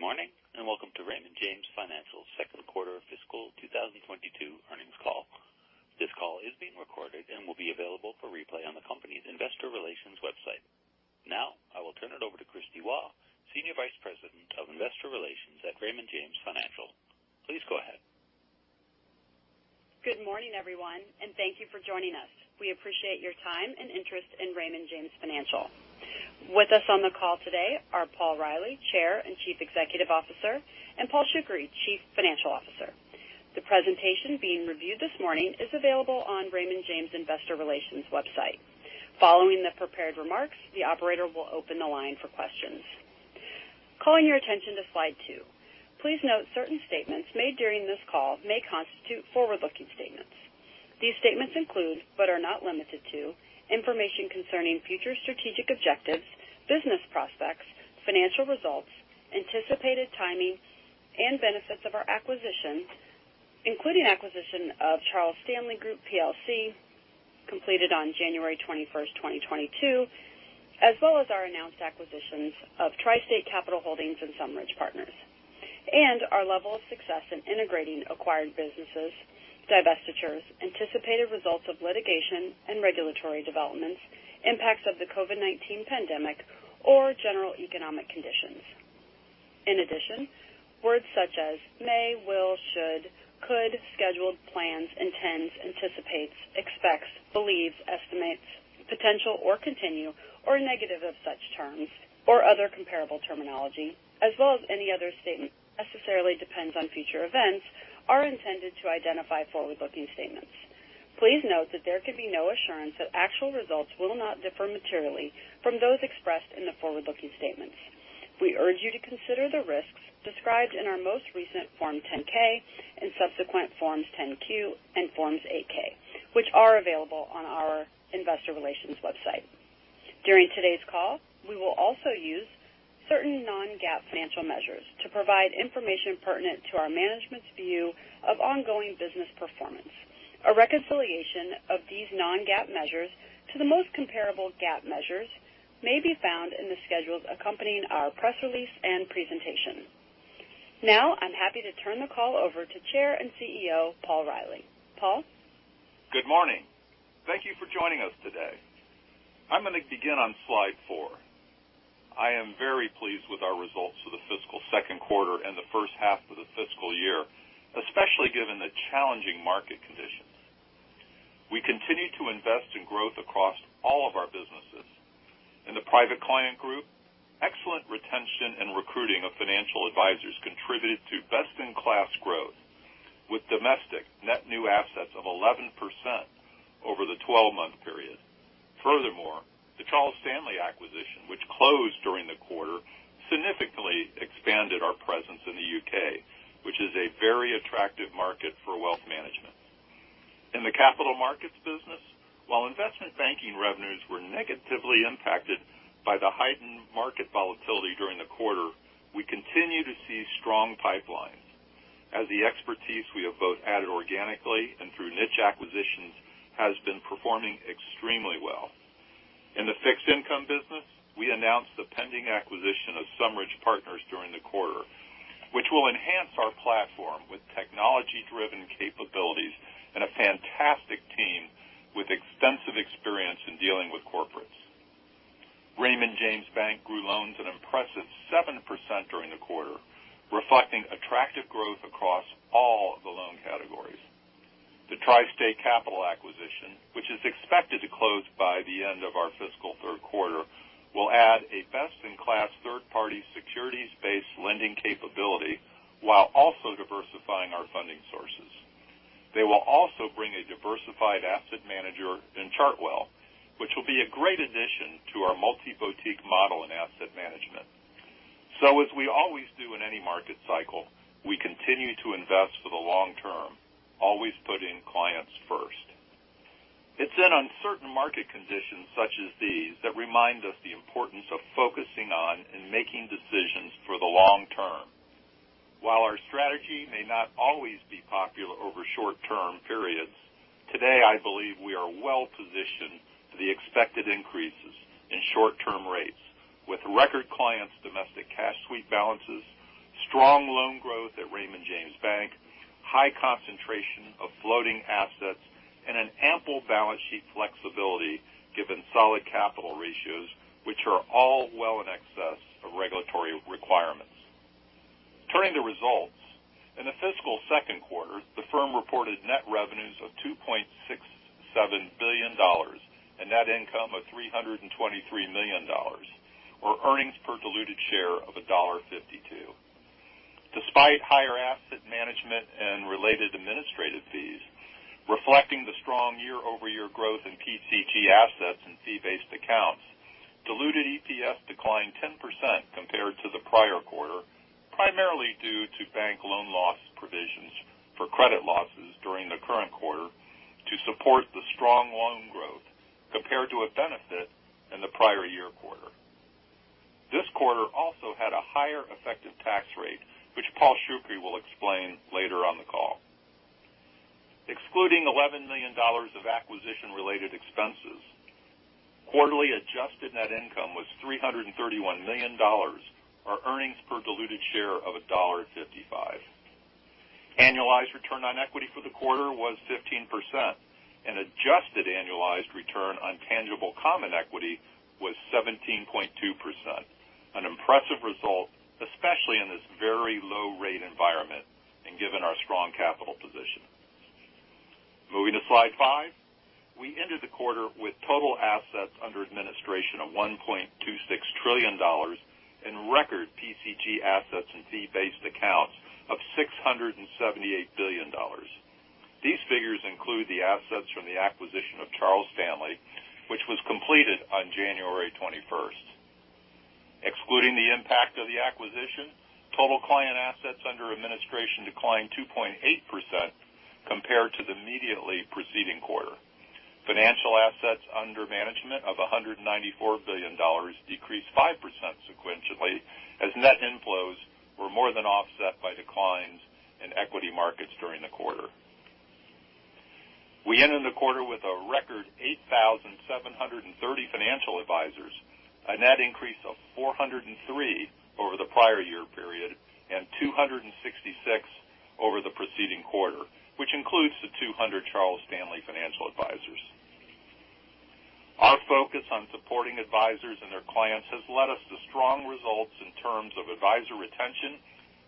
Good morning, and welcome to Raymond James Financial's second quarter of fiscal 2022 earnings call. This call is being recorded and will be available for replay on the company's investor relations website. Now, I will turn it over to Kristie Waugh, Senior Vice President of Investor Relations at Raymond James Financial. Please go ahead. Good morning, everyone, and thank you for joining us. We appreciate your time and interest in Raymond James Financial. With us on the call today are Paul Reilly, Chair and Chief Executive Officer, and Paul Shoukry, Chief Financial Officer. The presentation being reviewed this morning is available on Raymond James Investor Relations website. Following the prepared remarks, the operator will open the line for questions. Calling your attention to slide two. Please note certain statements made during this call may constitute forward-looking statements. These statements include, but are not limited to, information concerning future strategic objectives, business prospects, financial results, anticipated timing and benefits of our acquisitions, including acquisition of Charles Stanley Group PLC, completed on January 21st, 2022, as well as our announced acquisitions of TriState Capital Holdings and SumRidge Partners, and our level of success in integrating acquired businesses, divestitures, anticipated results of litigation and regulatory developments, impacts of the COVID-19 pandemic or general economic conditions. In addition, words such as may, will, should, could, scheduled, plans, intends, anticipates, expects, believes, estimates, potential or continue, or negative of such terms or other comparable terminology, as well as any other statement necessarily depends on future events, are intended to identify forward-looking statements. Please note that there can be no assurance that actual results will not differ materially from those expressed in the forward-looking statements. We urge you to consider the risks described in our most recent Form 10-K and subsequent Forms 10-Q and Forms 8-K, which are available on our investor relations website. During today's call, we will also use certain non-GAAP financial measures to provide information pertinent to our management's view of ongoing business performance. A reconciliation of these non-GAAP measures to the most comparable GAAP measures may be found in the schedules accompanying our press release and presentation. Now, I'm happy to turn the call over to Chair and CEO, Paul Reilly. Paul? Good morning. Thank you for joining us today. I'm gonna begin on slide four. I am very pleased with our results for the fiscal second quarter and the first half of the fiscal year, especially given the challenging market conditions. We continue to invest in growth across all of our businesses. In the Private Client Group, excellent retention and recruiting of financial advisors contributed to best-in-class growth with domestic net new assets of 11% over the 12-month period. Furthermore, the Charles Stanley acquisition, which closed during the quarter, significantly expanded our presence in the U.K., which is a very attractive market for wealth management. In the Capital Markets business, while investment banking revenues were negatively impacted by the heightened market volatility during the quarter, we continue to see strong pipelines as the expertise we have both added organically and through niche acquisitions has been performing extremely well. In the Fixed Income business, we announced the pending acquisition of SumRidge Partners during the quarter, which will enhance our platform with technology-driven capabilities and a fantastic team with extensive experience in dealing with corporates. Raymond James Bank grew loans an impressive 7% during the quarter, reflecting attractive growth across all the loan categories. The TriState Capital Holdings acquisition, which is expected to close by the end of our fiscal third quarter, will add a best-in-class third-party securities-based lending capability while also diversifying our funding sources. They will also bring a diversified asset manager in Chartwell, which will be a great addition to our multi-boutique model in asset management. As we always do in any market cycle, we continue to invest for the long term, always putting clients first. It's in uncertain market conditions such as these that remind us the importance of focusing on and making decisions for the long term. While our strategy may not always be popular over short-term periods, today, I believe we are well positioned for the expected increases in short-term rates with record clients' domestic cash sweep balances, strong loan growth at Raymond James Bank, high concentration of floating assets, and an ample balance sheet flexibility given solid capital ratios, which are all well in excess of regulatory requirements. Turning to results. In the fiscal second quarter, the firm reported net revenues of $2.67 billion and net income of $323 million, or earnings per diluted share of $1.52. Despite higher asset management and related administrative fees, reflecting the strong year-over-year growth in PCG assets and fee-based accounts, diluted EPS declined 10% compared to the prior quarter, primarily due to bank loan loss provisions for credit losses during the current quarter to support the strong loan growth compared to a benefit in the prior year quarter. This quarter also had a higher effective tax rate, which Paul Shoukry will explain later on the call. Excluding $11 million of acquisition-related expenses, quarterly adjusted net income was $331 million, or earnings per diluted share of $1.55. Annualized return on equity for the quarter was 15%, and adjusted annualized return on tangible common equity was 17.2%, an impressive result, especially in this very low rate environment and given our strong capital position. Moving to slide five. We ended the quarter with total assets under administration of $1.26 trillion in record PCG assets and fee-based accounts of $678 billion. These figures include the assets from the acquisition of Charles Stanley, which was completed on January 21st. Excluding the impact of the acquisition, total client assets under administration declined 2.8% compared to the immediately preceding quarter. Financial assets under management of $194 billion decreased 5% sequentially, as net inflows were more than offset by declines in equity markets during the quarter. We ended the quarter with a record 8,730 financial advisors, a net increase of 403 over the prior year period, and 266 over the preceding quarter, which includes the 200 Charles Stanley Financial Advisors. Our focus on supporting advisors and their clients has led us to strong results in terms of advisor retention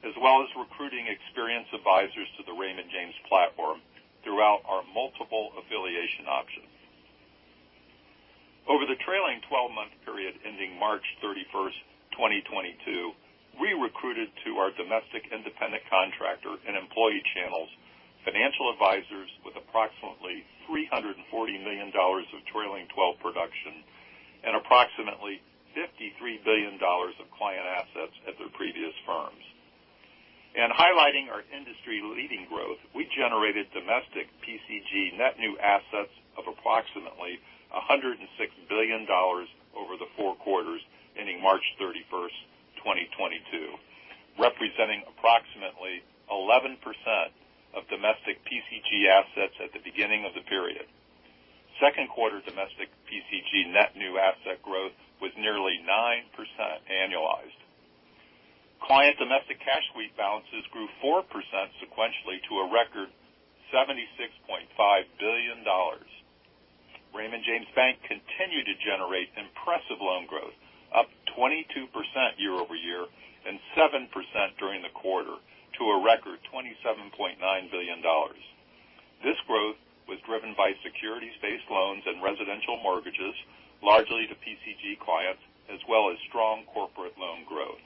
as well as recruiting experienced advisors to the Raymond James platform throughout our multiple affiliation options. Over the trailing twelve-month period ending March 31, 2022, we recruited to our domestic independent contractor and employee channels, financial advisors with approximately $340 million of trailing twelve production and approximately $53 billion of client assets at their previous firms. Highlighting our industry-leading growth, we generated domestic PCG net new assets of approximately $106 billion over the four quarters ending March 31, 2022, representing approximately 11% of domestic PCG assets at the beginning of the period. Second quarter domestic PCG net new asset growth was nearly 9% annualized. Client domestic cash sweep balances grew 4% sequentially to a record $76.5 billion. Raymond James Bank continued to generate impressive loan growth, up 22% year-over-year and 7% during the quarter to a record $27.9 billion. This growth was driven by securities-based loans and residential mortgages, largely to PCG clients, as well as strong corporate loan growth.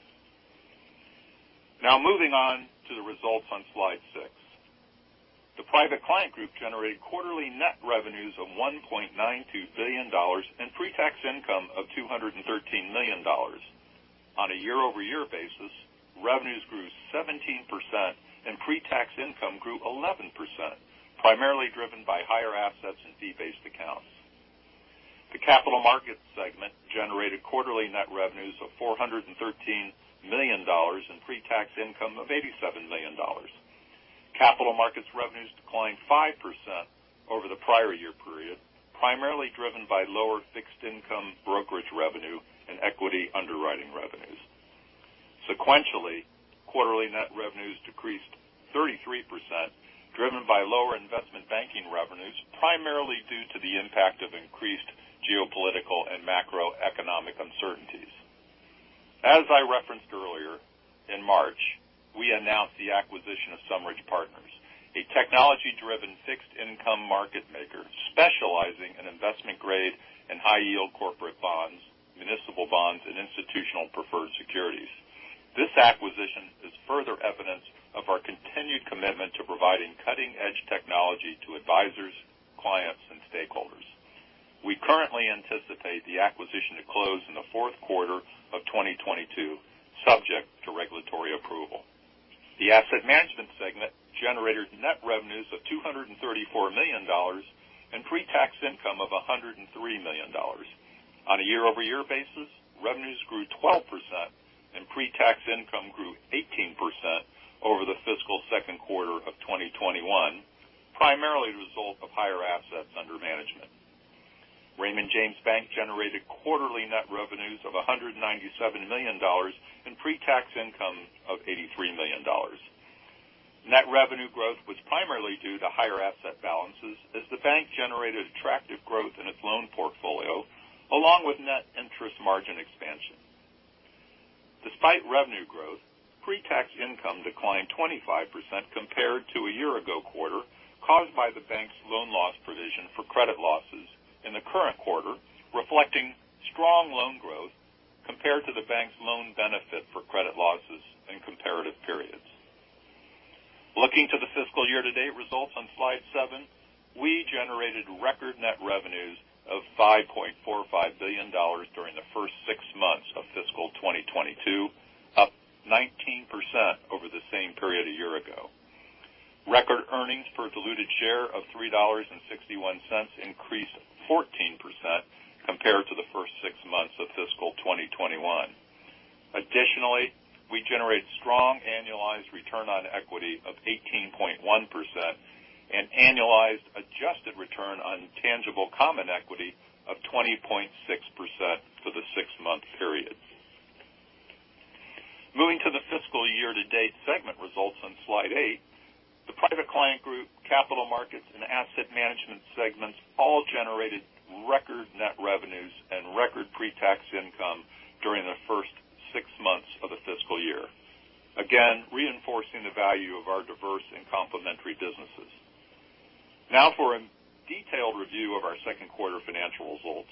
Now moving on to the results on slide six. The Private Client Group generated quarterly net revenues of $1.92 billion and pre-tax income of $213 million. On a year-over-year basis, revenues grew 17% and pre-tax income grew 11%, primarily driven by higher assets in fee-based accounts. The Capital Markets segment generated quarterly net revenues of $413 million and pre-tax income of $87 million. Capital Markets revenues declined 5% over the prior year period, primarily driven by lower fixed income brokerage revenue and equity underwriting revenues. Sequentially, quarterly net revenues decreased 33%, driven by lower investment banking revenues, primarily due to the impact of increased geopolitical and macroeconomic uncertainties. As I referenced earlier, in March, we announced the acquisition of SumRidge Partners, a technology-driven fixed income market maker specializing in investment-grade and high-yield corporate bonds, municipal bonds, and institutional preferred securities. This acquisition is further evidence of our continued commitment to providing cutting-edge technology to advisors, clients, and stakeholders. We currently anticipate the acquisition to close in the fourth quarter of 2022, subject to regulatory approval. The Asset Management segment generated net revenues of $234 million and pre-tax income of $103 million. On a year-over-year basis, revenues grew 12% and pre-tax income grew 18% over the fiscal second quarter of 2021, primarily a result of higher assets under management. Raymond James Bank generated quarterly net revenues of $197 million and pre-tax income of $83 million. Net revenue growth was primarily due to higher asset balances as the bank generated attractive growth in its loan portfolio along with net interest margin expansion. Despite revenue growth, pre-tax income declined 25% compared to a year ago quarter, caused by the bank's loan loss provision for credit losses in the current quarter, reflecting strong loan growth compared to the bank's loan benefit for credit losses in comparative periods. Looking to the fiscal year to date results on slide seven, we generated record net revenues of $5.45 billion during the first six months of fiscal 2022, up 19% over the same period a year ago. Record earnings per diluted share of $3.61 increased 14% compared to the first six months of fiscal 2021. Additionally, we generate strong annualized return on equity of 18.1% and annualized adjusted return on tangible common equity of 20.6% for the six-month period. Moving to the fiscal year to date segment results on slide eight. The Private Client Group, Capital Markets, and Asset Management segments all generated record net revenues and record pre-tax income during the first six months of the fiscal year. Again, reinforcing the value of our diverse and complementary businesses. Now for a detailed review of our second quarter financial results,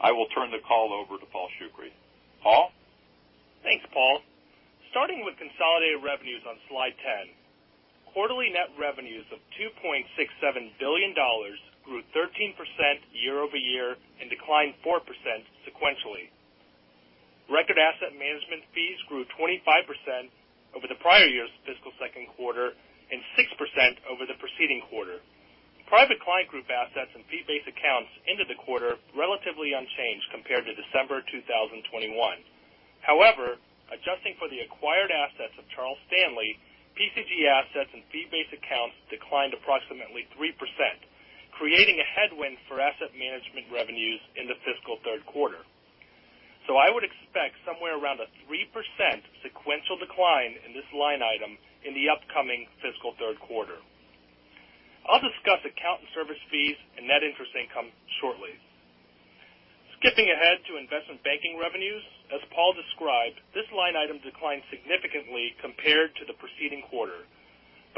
I will turn the call over to Paul Shoukry. Paul. Thanks, Paul. Starting with consolidated revenues on slide 10. Quarterly net revenues of $2.67 billion grew 13% year-over-year and declined 4% sequentially. Record asset management fees grew 25% over the prior year's fiscal second quarter and 6% over the preceding quarter. Private Client Group assets and fee-based accounts ended the quarter relatively unchanged compared to December 2021. However, adjusting for the acquired assets of Charles Stanley, PCG assets and fee-based accounts declined approximately 3%, creating a headwind for asset management revenues in the fiscal third quarter. I would expect somewhere around a 3% sequential decline in this line item in the upcoming fiscal third quarter. I'll discuss account and service fees and net interest income shortly. Skipping ahead to investment banking revenues. As Paul described, this line item declined significantly compared to the preceding quarter.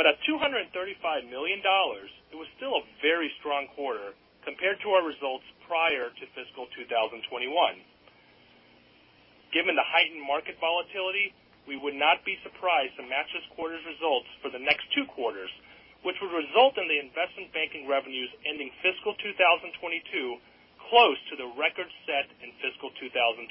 At $235 million, it was still a very strong quarter compared to our results prior to fiscal 2021. Given the heightened market volatility, we would not be surprised to match this quarter's results for the next two quarters, which would result in the investment banking revenues ending fiscal 2022 close to the record set in fiscal 2021.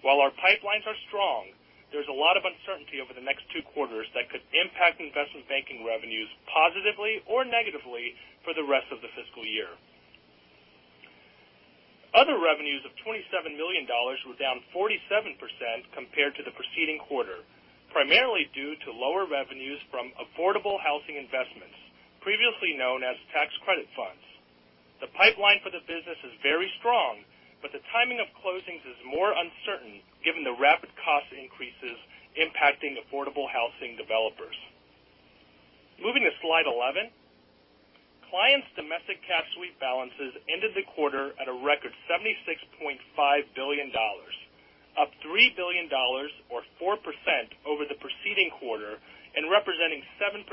While our pipelines are strong, there's a lot of uncertainty over the next two quarters that could impact investment banking revenues positively or negatively for the rest of the fiscal year. Other revenues of $27 million were down 47% compared to the preceding quarter, primarily due to lower revenues from affordable housing investments, previously known as tax credit funds. The pipeline for the business is very strong, but the timing of closings is more uncertain given the rapid cost increases impacting affordable housing developers. Moving to slide 11. Clients' domestic cash sweep balances ended the quarter at a record $76.5 billion, up $3 billion or 4% over the preceding quarter and representing 7%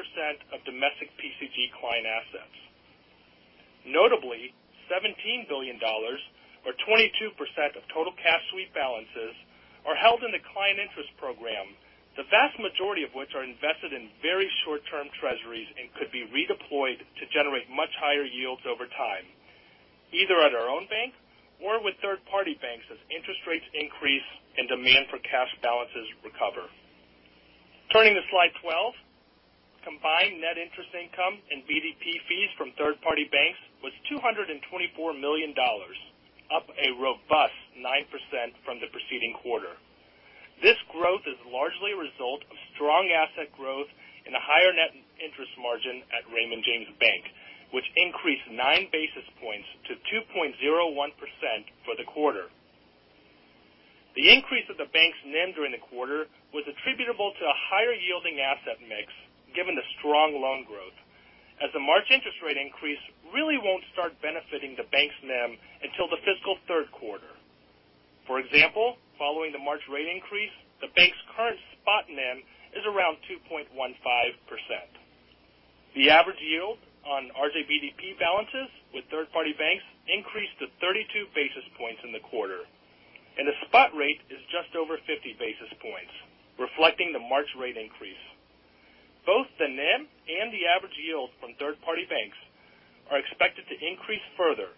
of domestic PCG client assets. Notably, $17 billion or 22% of total cash sweep balances are held in the Client Interest Program, the vast majority of which are invested in very short-term treasuries and could be redeployed to generate much higher yields over time, either at our own bank or with third-party banks as interest rates increase and demand for cash balances recover. Turning to slide 12. Combined net interest income and BDP fees from third-party banks was $224 million, up a robust 9% from the preceding quarter. This growth is largely a result of strong asset growth in a higher net interest margin at Raymond James Bank, which increased nine basis points to 2.01% for the quarter. The increase of the bank's NIM during the quarter was attributable to a higher-yielding asset mix given the strong loan growth, as the March interest rate increase really won't start benefiting the bank's NIM until the fiscal third quarter. For example, following the March rate increase, the bank's current spot NIM is around 2.15%. The average yield on RJBDP balances with third-party banks increased to 32 basis points in the quarter, and the spot rate is just over 50 basis points, reflecting the March rate increase. Both the NIM and the average yield from third-party banks are expected to increase further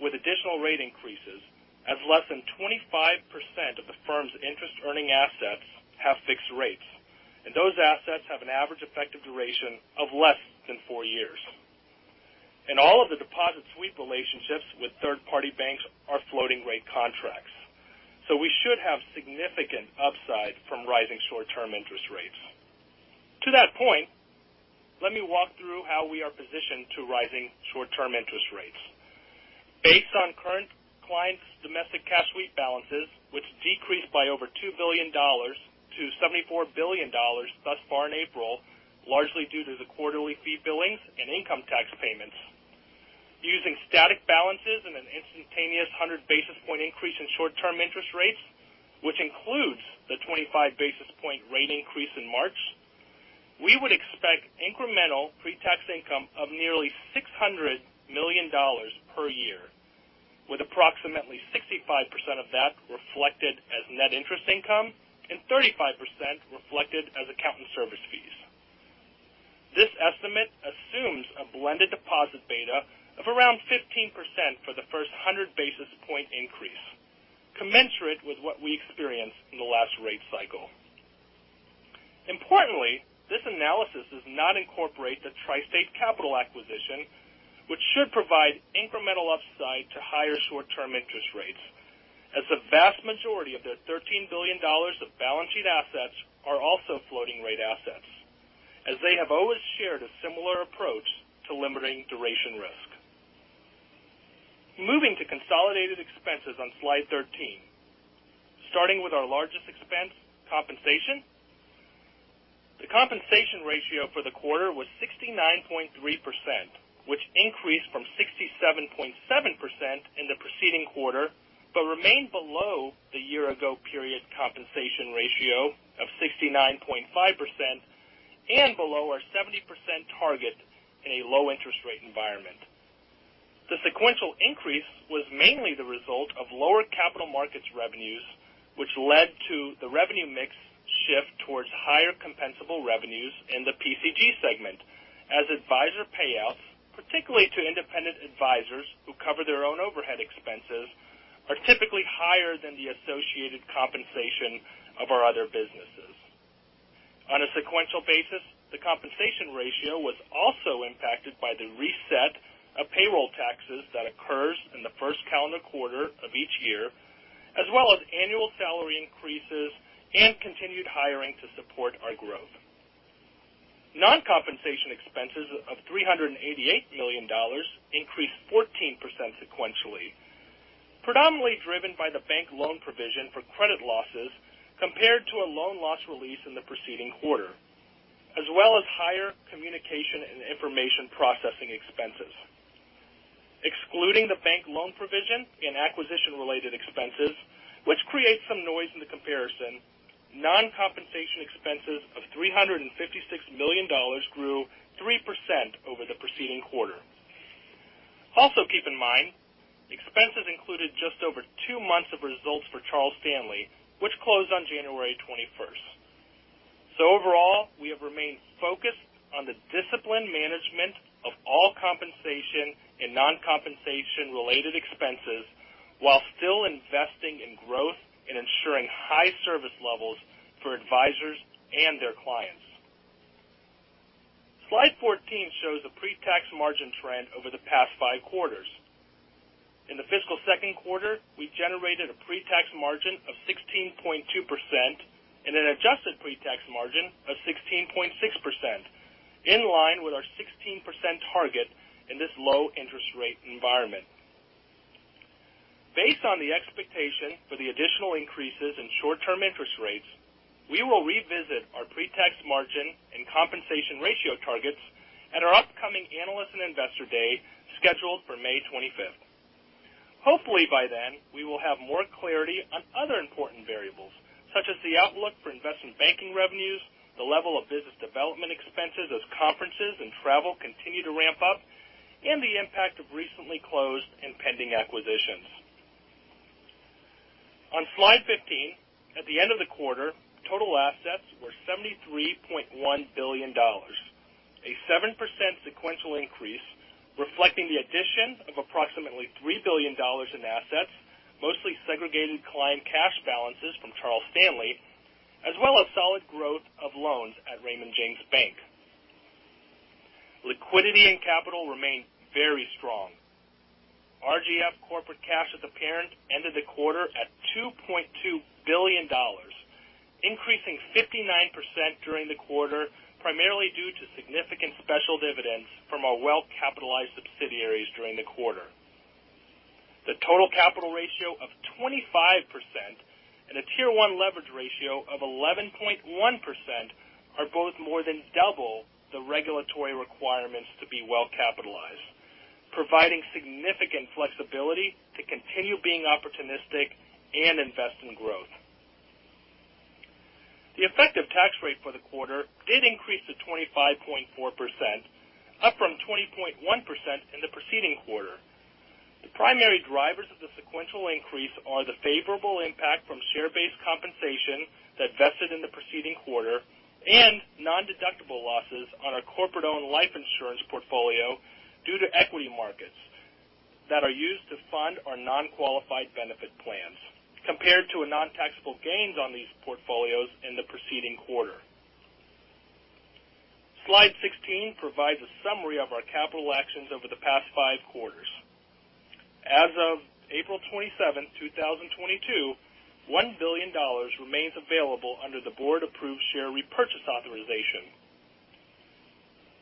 with additional rate increases as less than 25% of the firm's interest earning assets have fixed rates. Those assets have an average effective duration of less than four years. All of the deposit sweep relationships with third-party banks are floating rate contracts. We should have significant upside from rising short-term interest rates. To that point, let me walk through how we are positioned to rising short-term interest rates. Based on current clients' domestic cash sweep balances, which decreased by over $2 billion to $74 billion thus far in April, largely due to the quarterly fee billings and income tax payments. Using static balances and an instantaneous 100 basis point increase in short-term interest rates, which includes the 25 basis point rate increase in March, we would expect incremental pre-tax income of nearly $600 million per year, with approximately 65% of that reflected as net interest income and 35% reflected as account and service fees. This estimate assumes a blended deposit beta of around 15% for the first 100 basis point increase, commensurate with what we experienced in the last rate cycle. Importantly, this analysis does not incorporate the TriState Capital Holdings acquisition, which should provide incremental upside to higher short-term interest rates as the vast majority of their $13 billion of balance sheet assets are also floating rate assets, as they have always shared a similar approach to limiting duration risk. Moving to consolidated expenses on slide 13. Starting with our largest expense, compensation. The compensation ratio for the quarter was 69.3%, which increased from 67.7% in the preceding quarter, but remained below the year ago period compensation ratio of 69.5% and below our 70% target in a low interest rate environment. The sequential increase was mainly the result of lower capital markets revenues, which led to the revenue mix shift towards higher compensable revenues in the PCG segment as advisor payouts, particularly to independent advisors who cover their own overhead expenses, are typically higher than the associated compensation of our other businesses. On a sequential basis, the compensation ratio was also impacted by the reset of payroll taxes that occurs in the first calendar quarter of each year, as well as annual salary increases and continued hiring to support our growth. Non-compensation expenses of $388 million increased 14% sequentially, predominantly driven by the bank loan provision for credit losses compared to a loan loss release in the preceding quarter, as well as higher communication and information processing expenses. Excluding the bank loan provision and acquisition related expenses, which creates some noise in the comparison, non-compensation expenses of $356 million grew 3% over the preceding quarter. Also keep in mind, expenses included just over two months of results for Charles Stanley, which closed on January 21st. Overall, we have remained focused on the disciplined management of all compensation and non-compensation related expenses while still investing in growth and ensuring high service levels for advisors and their clients. Slide 14 shows the pre-tax margin trend over the past five quarters. In the fiscal second quarter, we generated a pre-tax margin of 16.2% and an adjusted pre-tax margin of 16.6%, in line with our 16% target in this low interest rate environment. Based on the expectation for the additional increases in short-term interest rates, we will revisit our pre-tax margin and compensation ratio targets at our upcoming Analyst and Investor Day scheduled for May 25. Hopefully by then, we will have more clarity on other important variables such as the outlook for investment banking revenues, the level of business development expenses as conferences and travel continue to ramp up, and the impact of recently closed and pending acquisitions. On slide 15, at the end of the quarter, total assets were $73.1 billion, a 7% sequential increase reflecting the addition of approximately $3 billion in assets, mostly segregated client cash balances from Charles Stanley, as well as solid growth of loans at Raymond James Bank. Liquidity and capital remained very strong. RJF corporate cash as a parent ended the quarter at $2.2 billion, increasing 59% during the quarter, primarily due to significant special dividends from our well-capitalized subsidiaries during the quarter. The total capital ratio of 25% and a Tier One leverage ratio of 11.1% are both more than double the regulatory requirements to be well capitalized, providing significant flexibility to continue being opportunistic and invest in growth. The effective tax rate for the quarter did increase to 25.4%, up from 20.1% in the preceding quarter. The primary drivers of the sequential increase are the favorable impact from share-based compensation that vested in the preceding quarter and nondeductible losses on our corporate-owned life insurance portfolio due to equity markets that are used to fund our non-qualified benefit plans compared to a nontaxable gains on these portfolios in the preceding quarter. Slide 16 provides a summary of our capital actions over the past five quarters. As of April 27, 2022, $1 billion remains available under the board approved share repurchase authorization.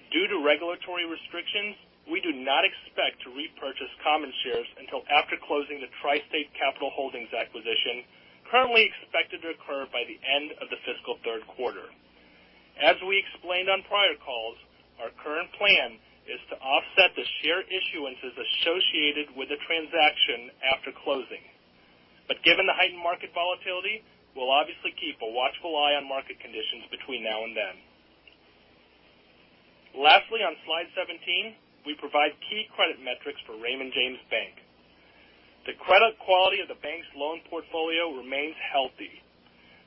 Due to regulatory restrictions, we do not expect to repurchase common shares until after closing the TriState Capital Holdings acquisition currently expected to occur by the end of the fiscal third quarter. As we explained on prior calls, our current plan is to offset the share issuances associated with the transaction after closing. Given the heightened market volatility, we'll obviously keep a watchful eye on market conditions between now and then. Lastly, on slide 17, we provide key credit metrics for Raymond James Bank. The credit quality of the bank's loan portfolio remains healthy,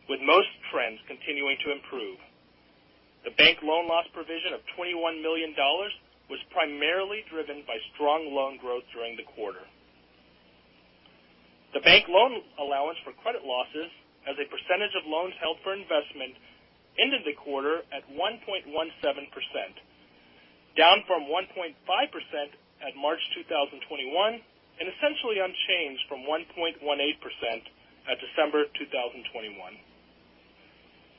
with most trends continuing to improve. The bank loan loss provision of $21 million was primarily driven by strong loan growth during the quarter. The bank loan allowance for credit losses as a percentage of loans held for investment ended the quarter at 1.17%, down from 1.5% at March 2021, and essentially unchanged from 1.18% at December 2021.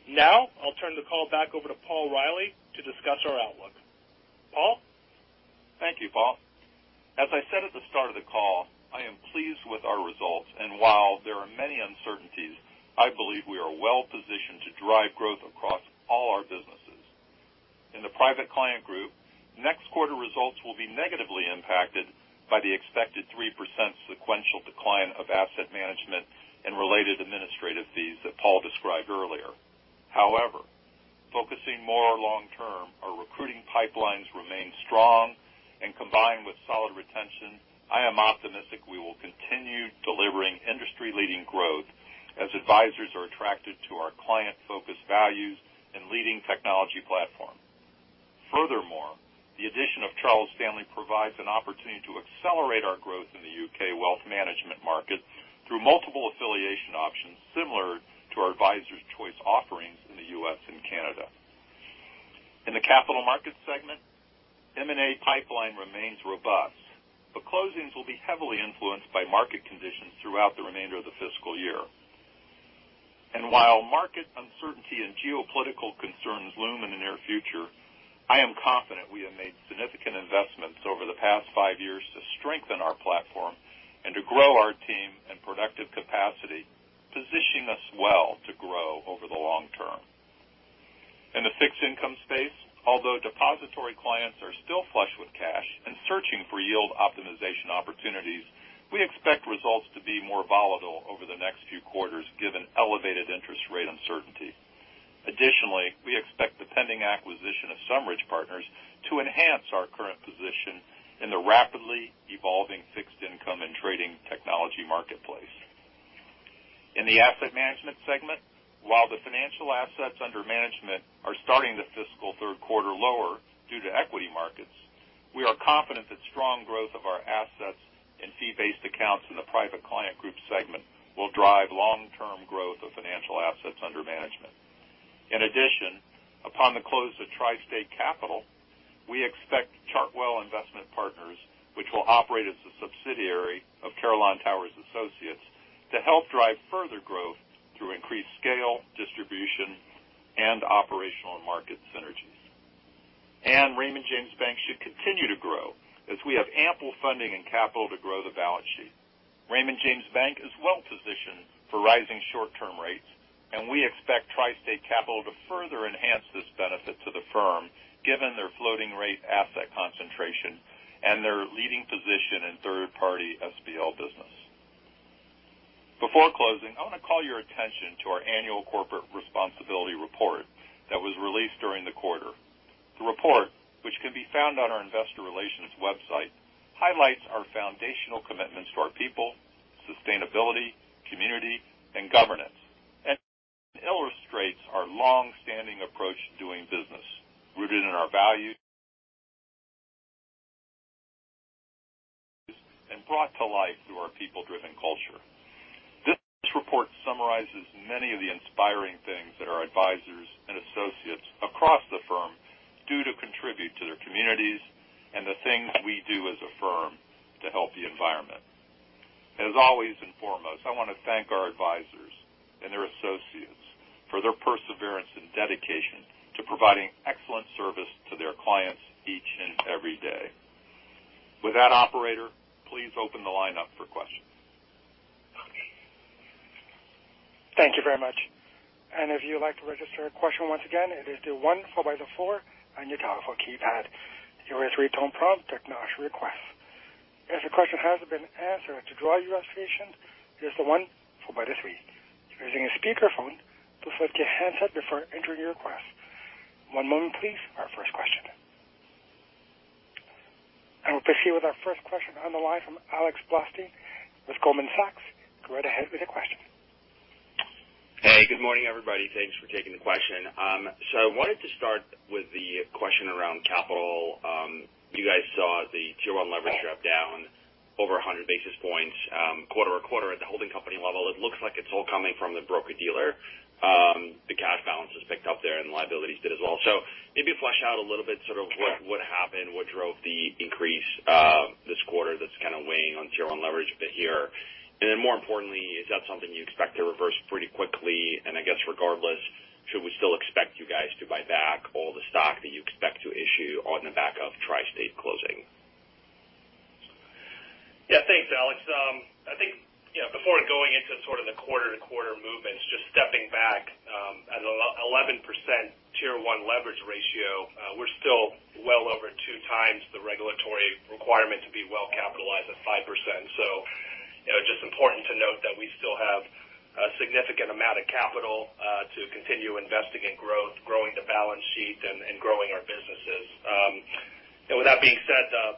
Now I'll turn the call back over to Paul Reilly to discuss our outlook. Paul. Thank you, Paul. As I said at the start of the call, I am pleased with our results. While there are many uncertainties, I believe we are well-positioned to drive growth across all our businesses. In the Private Client Group, next quarter results will be negatively impacted by the expected 3% sequential decline of asset management and related administrative fees that Paul described earlier. However, focusing more long term, our recruiting pipelines remain strong and combined with solid retention, I am optimistic we will continue delivering industry-leading growth as advisors are attracted to our client-focused values and leading technology platform. Furthermore, the addition of Charles Stanley provides an opportunity to accelerate our growth in the U.K. wealth management market through multiple affiliation options similar to our advisors choice offerings in the U.S. and Canada. In the Capital Markets segment, M&A pipeline remains robust, but closings will be heavily influenced by market conditions throughout the remainder of the fiscal year. While market uncertainty and geopolitical concerns loom in the near future, I am confident we have made significant investments over the past five years to strengthen our platform and to grow our team and productive capacity, positioning us well to grow over the long term. In the fixed income space, although depository clients are still flush with cash and searching for yield optimization opportunities, we expect results to be more volatile over the next few quarters given elevated interest rate uncertainty. Additionally, we expect the pending acquisition of SumRidge Partners to enhance our current position in the rapidly evolving fixed income and trading technology marketplace. In the Asset Management segment, while the financial assets under management are starting the fiscal third quarter lower due to equity markets, we are confident that strong growth of our assets and fee-based accounts in the Private Client Group segment will drive long-term growth of financial assets under management. In addition, upon the close of TriState Capital, we expect Chartwell Investment Partners, which will operate as a subsidiary of Carillon Tower Associates, to help drive further growth through increased scale, distribution, and operational market synergies. Raymond James Bank should continue to grow as we have ample funding and capital to grow the balance sheet. Raymond James Bank is well-positioned for rising short-term rates, and we expect TriState Capital to further enhance this benefit to the firm given their floating rate asset concentration and their leading position in third-party SBL business. Before closing, I want to call your attention to our annual corporate responsibility report that was released during the quarter. The report, which can be found on our investor relations website, highlights our foundational commitments to our people, sustainability, community, and governance, and illustrates our long-standing approach to doing business rooted in our values and brought to life through our people-driven culture. This report summarizes many of the inspiring things that our advisors and associates across the firm do to contribute to their communities and the things we do as a firm to help the environment. As always and foremost, I want to thank our advisors and their associates for their perseverance and dedication to providing excellent service to their clients each and every day. With that, operator, please open the line up for questions. Thank you very much. If you'd like to register a question, once again it is the one followed by the four on your telephone keypad. You will hear a three-tone prompt to acknowledge your request. If your question has been answered, to withdraw your association, press the one followed by the three. If you're using a speakerphone, please mute your handset before entering your request. One moment please for our first question. We'll proceed with our first question on the line from Alex Blostein with Goldman Sachs. Go right ahead with your question. Hey, good morning, everybody. Thanks for taking the question. I wanted to start with the question around capital. You guys saw the Tier 1 leverage drop down over 100 basis points, quarter-over-quarter at the holding company level. It looks like it's all coming from the broker-dealer. The cash balance was picked up there and liabilities did as well. Maybe flesh out a little bit sort of what happened, what drove the increase this quarter that's kind of weighing on Tier 1 leverage a bit here. Then more importantly, is that something you expect to reverse pretty quickly? I guess regardless, should we still expect you guys to buy back all the stock that you expect to issue on the back of TriState closing? Yeah. Thanks, Alex. I think, you know, before going into sort of the quarter-to-quarter movements, just stepping back, at 11% Tier 1 leverage ratio, we're still well over two times the regulatory requirement to be well capitalized at 5%. You know, just important to note that we still have a significant amount of capital to continue investing in growth, growing the balance sheet and growing our businesses. And with that being said,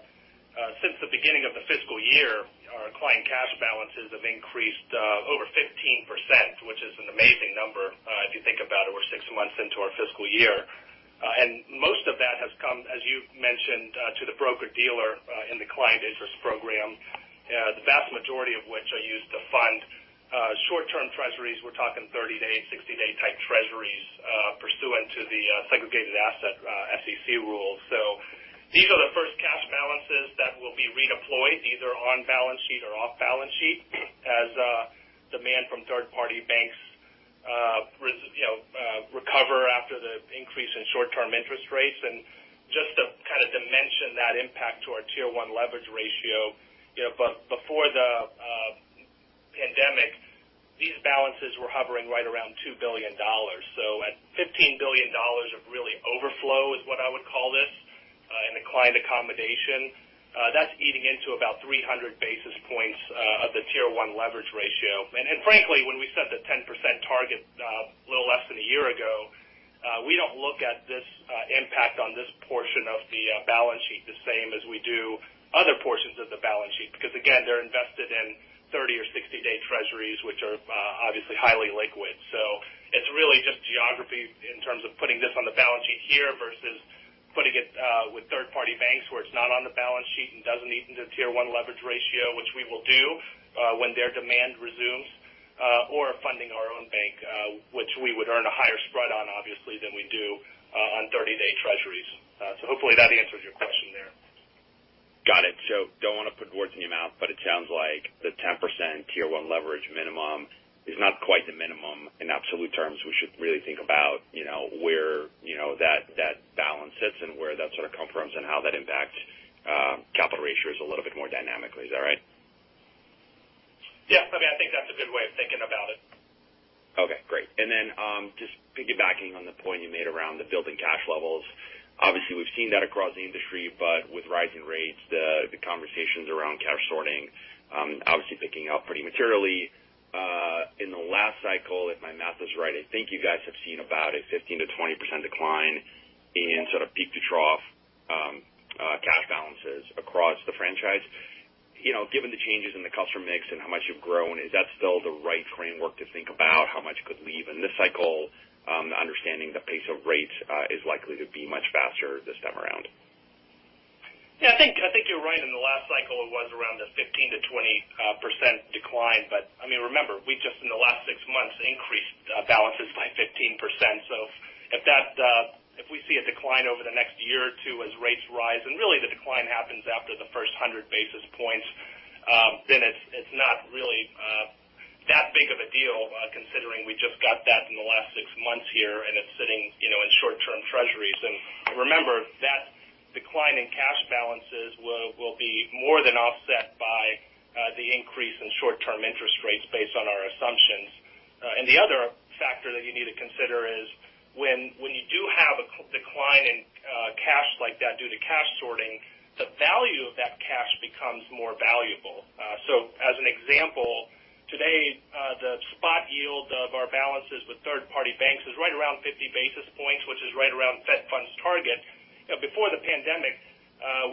since the beginning of the fiscal year, our client cash balances have increased over 15%, which is an amazing number, if you think about it. We're six months into our fiscal year. Most of that has come, as you've mentioned, to the broker-dealer in the Client Interest Program. The vast majority of which are used to fund short-term treasuries. We're talking 30-day, 60-day type treasuries, pursuant to the segregated asset SEC rules. These are the first cash balances that will be redeployed either on balance sheet or off balance sheet as demand from third-party banks you know recover after the increase in short-term interest rates. Just to kind of dimension that impact to our Tier 1 leverage ratio, you know, before the pandemic, these balances were hovering right around $2 billion. At $15 billion of really overflow is what I would call this in the client accommodation. That's eating into about 300 basis points of the Tier 1 leverage ratio. Frankly, when we set the 10% target a little less than a year ago, we don't look at this impact on this portion of the balance sheet the same as we do other portions of the balance sheet. Because again, they're invested in 30 or 60-day treasuries, which are obviously highly liquid. It's really just geography in terms of putting this on the balance sheet here versus putting it with third-party banks where it's not on the balance sheet and doesn't eat into tier one leverage ratio, which we will do when their demand resumes or funding our own bank, which we would earn a higher spread on obviously than we do on 30-day treasuries. Hopefully that answers your question there. Got it. Don't want to put words in your mouth, but it sounds like the 10% Tier 1 leverage minimum is not quite the minimum in absolute terms. We should really think about, you know, where, you know, that balance sits and where that sort of comes from and how that impacts capital ratios a little bit more dynamically. Is that right? Yeah. I mean, I think that's a good way of thinking about it. Okay, great. Then just piggybacking on the point you made around the building cash levels. Obviously, we've seen that across the industry, but with rising rates, the conversations around cash sorting obviously picking up pretty materially. In the last cycle, if my math is right, I think you guys have seen about a 15%-20% decline in sort of peak-to-trough cash balances across the franchise. You know, given the changes in the customer mix and how much you've grown, is that still the right framework to think about how much could leave in this cycle, understanding the pace of rates is likely to be much faster this time around? Yeah, I think you're right. In the last cycle, it was around a 15%-20% decline. I mean, remember, we just in the last six months increased balances by 15%. If we see a decline over the next year or two as rates rise, and really the decline happens after the first 100 basis points, then it's not really that big of a deal, considering we just got that in the last six months here and it's sitting, you know, in short-term treasuries. Remember, that decline in cash balances will be more than offset by the increase in short-term interest rates based on our assumptions. The other factor that you need to consider is when you do have a decline in cash like that due to cash sorting, the value of that cash becomes more valuable. So as an example, today the spot yield of our balances with third-party banks is right around 50 basis points, which is right around Fed funds target. You know, before the pandemic,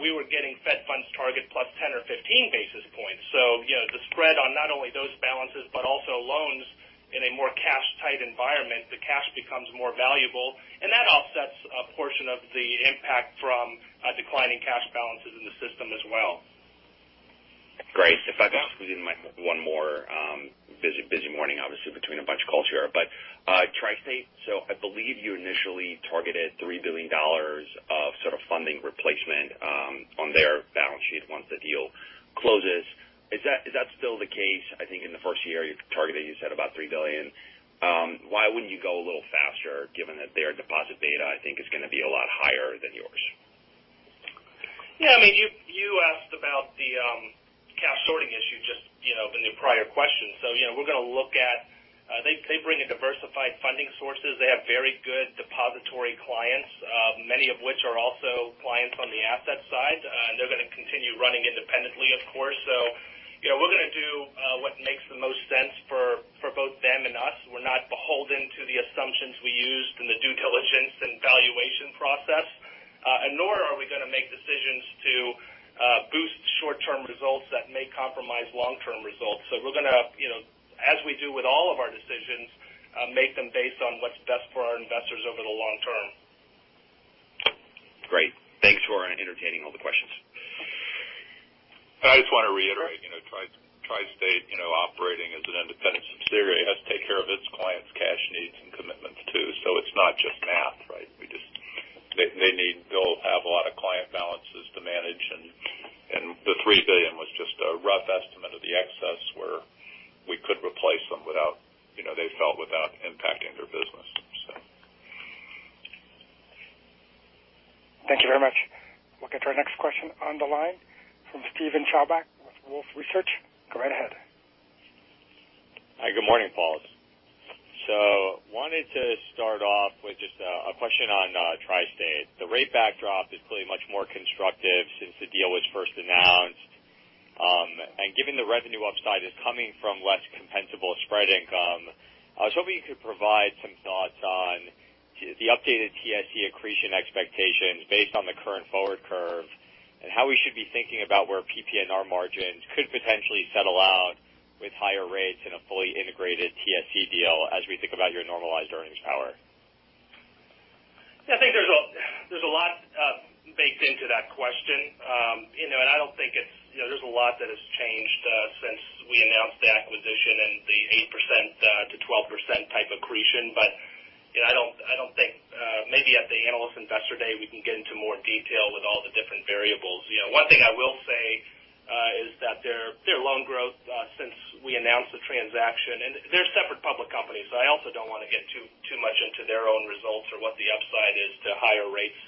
we were getting Fed funds target +10 or 15 basis points. You know, the spread on not only those balances, but also loans in a more cash tight environment, the cash becomes more valuable. That offsets a portion of the impact from a decline in cash balances in the system as well. Great. If I could ask one more, busy morning, obviously between a bunch of calls here. TriState, so I believe you initially targeted $3 billion of sort of funding replacement on their balance sheet once the deal closes. Is that still the case? I think in the first year, you targeted, you said about $3 billion. Why wouldn't you go a little faster given that their deposit beta, I think is gonna be a lot higher than yours. Yeah, I mean, you asked about the cash sorting issue just, you know, in the prior question. You know, we're gonna look at they bring in diversified funding sources. They have very good depository clients, many of which are also clients on the asset side. They're gonna continue running independently, of course. You know, we're gonna do what makes the most sense for both them and us. We're not beholden to the assumptions we used in the due diligence and valuation process. Nor are we gonna make decisions to boost short-term results that may compromise long-term results. You know, as we do with all of our decisions, we're gonna make them based on what's best for our investors over the long term. Great. Thanks for entertaining all the questions. I just want to reiterate, you know, TriState, you know, operating as an independent subsidiary has to take care of its clients' cash needs and commitments too. So it's not just math, right? They'll have a lot of client balances to manage. The $3 billion was just a rough estimate of the excess where we could replace them without, you know, they felt without impacting their business. So. Thank you very much. We'll get to our next question on the line from Steven Chubak with Wolfe Research. Go right ahead. Hi, good morning, Paul. Wanted to start off with just a question on TriState. The rate backdrop is clearly much more constructive since the deal was first announced. Given the revenue upside is coming from less compensable spread income, I was hoping you could provide some thoughts on the updated TSC accretion expectations based on the current forward curve. How we should be thinking about where PPNR margins could potentially settle out with higher rates in a fully integrated TSC deal as we think about your normalized earnings power. Yeah, I think there's a lot baked into that question. You know, I don't think it's, you know, there's a lot that has changed since we announced the acquisition and the 8%-12% type accretion. You know, I don't think maybe at the Analyst and Investor Day, we can get into more detail with all the different variables. You know, one thing I will say is that their loan growth since we announced the transaction, and they're separate public companies, so I also don't wanna get too much into their own results or what the upside is to higher rates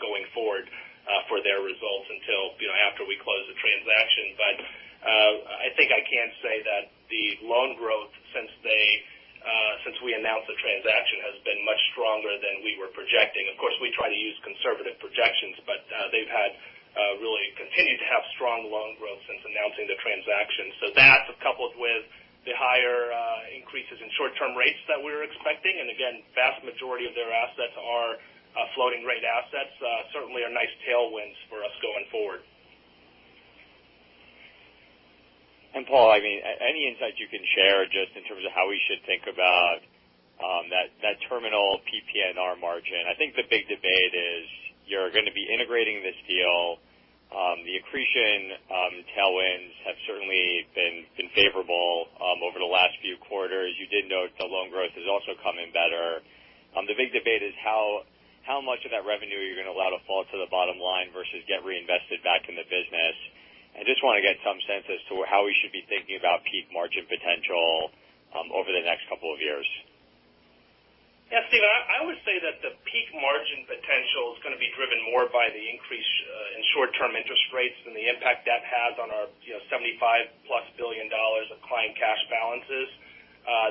going forward for their results until, you know, after we close the transaction. I think I can say that the loan growth since we announced the transaction has been much stronger than we were projecting. Of course, we try to use conservative projections, but they've had really continued to have strong loan growth since announcing the transaction. That's coupled with the higher increases in short-term rates that we're expecting. Again, vast majority of their assets are floating rate assets, certainly are nice tailwinds for us going forward. Paul, I mean, any insight you can share just in terms of how we should think about that terminal PPNR margin. I think the big debate is you're gonna be integrating this deal. The accretion tailwinds have certainly been favorable over the last few quarters. You did note the loan growth has also come in better. The big debate is how much of that revenue are you gonna allow to fall to the bottom line versus get reinvested back in the business. I just wanna get some sense as to how we should be thinking about peak margin potential over the next couple of years. Yeah, Steven, I would say that the peak margin potential is gonna be driven more by the increase in short-term interest rates than the impact that has on our, you know, $75+ billion of client cash balances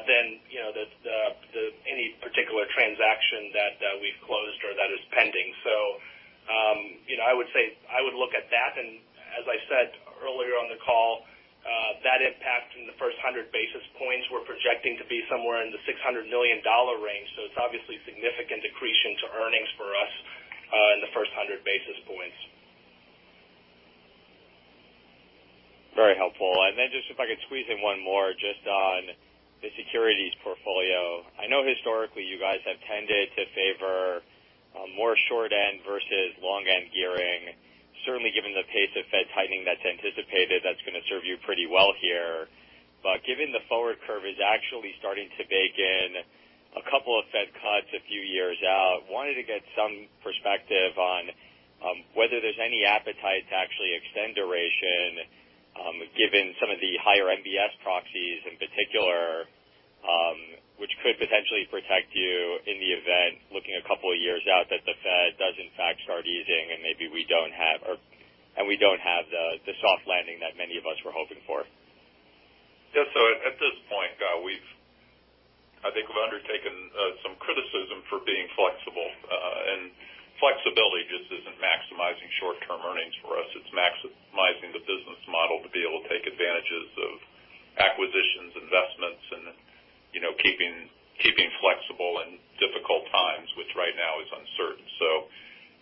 than the any particular transaction that we've closed or that is pending. You know, I would say I would look at that. As I said earlier on the call, that impact in the first 100 basis points we're projecting to be somewhere in the $600 million range. It's obviously significant accretion to earnings for us in the first 100 basis points. Very helpful. Just if I could squeeze in one more just on the securities portfolio. I know historically you guys have tended to favor more short end versus long end gearing. Certainly, given the pace of Fed tightening that's anticipated, that's gonna serve you pretty well here. Given the forward curve is actually starting to bake in a couple of Fed cuts a few years out, wanted to get some perspective on whether there's any appetite to actually extend duration given some of the higher MBS proxies in particular, which could potentially protect you in the event looking a couple of years out that the Fed does in fact start easing and maybe we don't have the soft landing that many of us were hoping for. Yeah. At this point, we've, I think, undertaken some criticism for being flexible. Flexibility just isn't maximizing short-term earnings for us. It's maximizing the business model to be able to take advantages of acquisitions, investments and, you know, keeping flexible in difficult times, which right now is uncertain.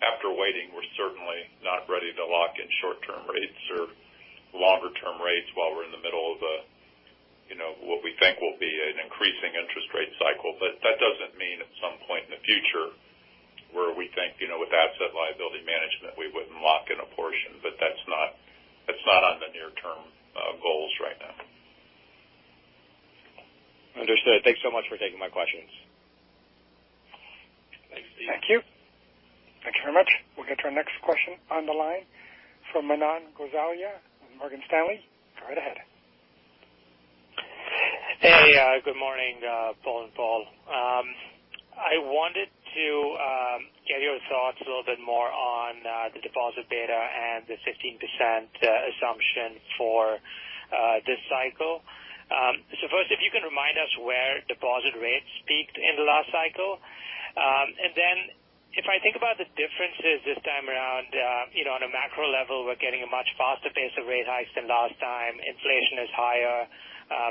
After waiting, we're certainly not ready to lock in short-term rates or longer-term rates while we're in the middle of, you know, what we think will be an increasing interest rate cycle. That doesn't mean at some point in the future where we think, you know, with asset liability management, we wouldn't lock in a portion. That's not on the near term goals right now. Understood. Thanks so much for taking my questions. Thank you, Steven. Thank you. Thank you very much. We'll get to our next question on the line from Manan Gosalia of Morgan Stanley. Go right ahead. Hey, good morning, Paul and Paul. I wanted to get your thoughts a little bit more on the deposit beta and the 15% assumption for this cycle. First, if you can remind us where deposit rates peaked in the last cycle. Then if I think about the differences this time around, you know, on a macro level, we're getting a much faster pace of rate hikes than last time. Inflation is higher.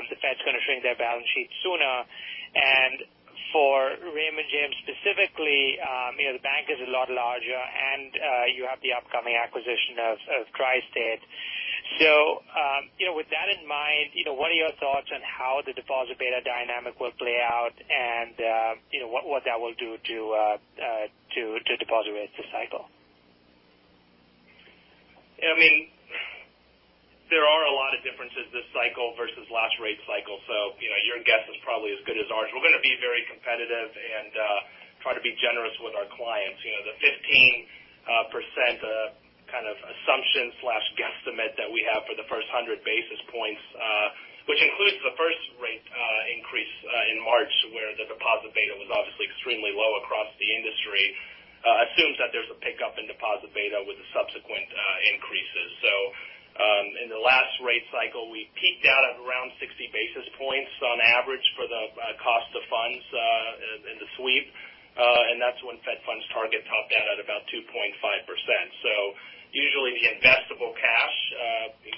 The Fed's gonna shrink their balance sheet sooner. For Raymond James specifically, you know, the bank is a lot larger and you have the upcoming acquisition of TriState. You know, with that in mind, you know, what are your thoughts on how the deposit beta dynamic will play out and, you know, what that will do to deposit rates this cycle? I mean, there are a lot of differences this cycle versus last rate cycle, so, you know, your guess is probably as good as ours. We're gonna be very competitive and try to be generous with our clients. You know, the 15% kind of assumption/guesstimate that we have for the first 100 basis points, which includes the first rate increase in March where the deposit beta was obviously extremely low across the industry, assumes that there's a pickup in deposit beta with the subsequent increases. In the last rate cycle, we peaked out at around 60 basis points on average for the cost of funds in the sweep. That's when Fed funds target topped out at about 2.5%. Usually the investable cash,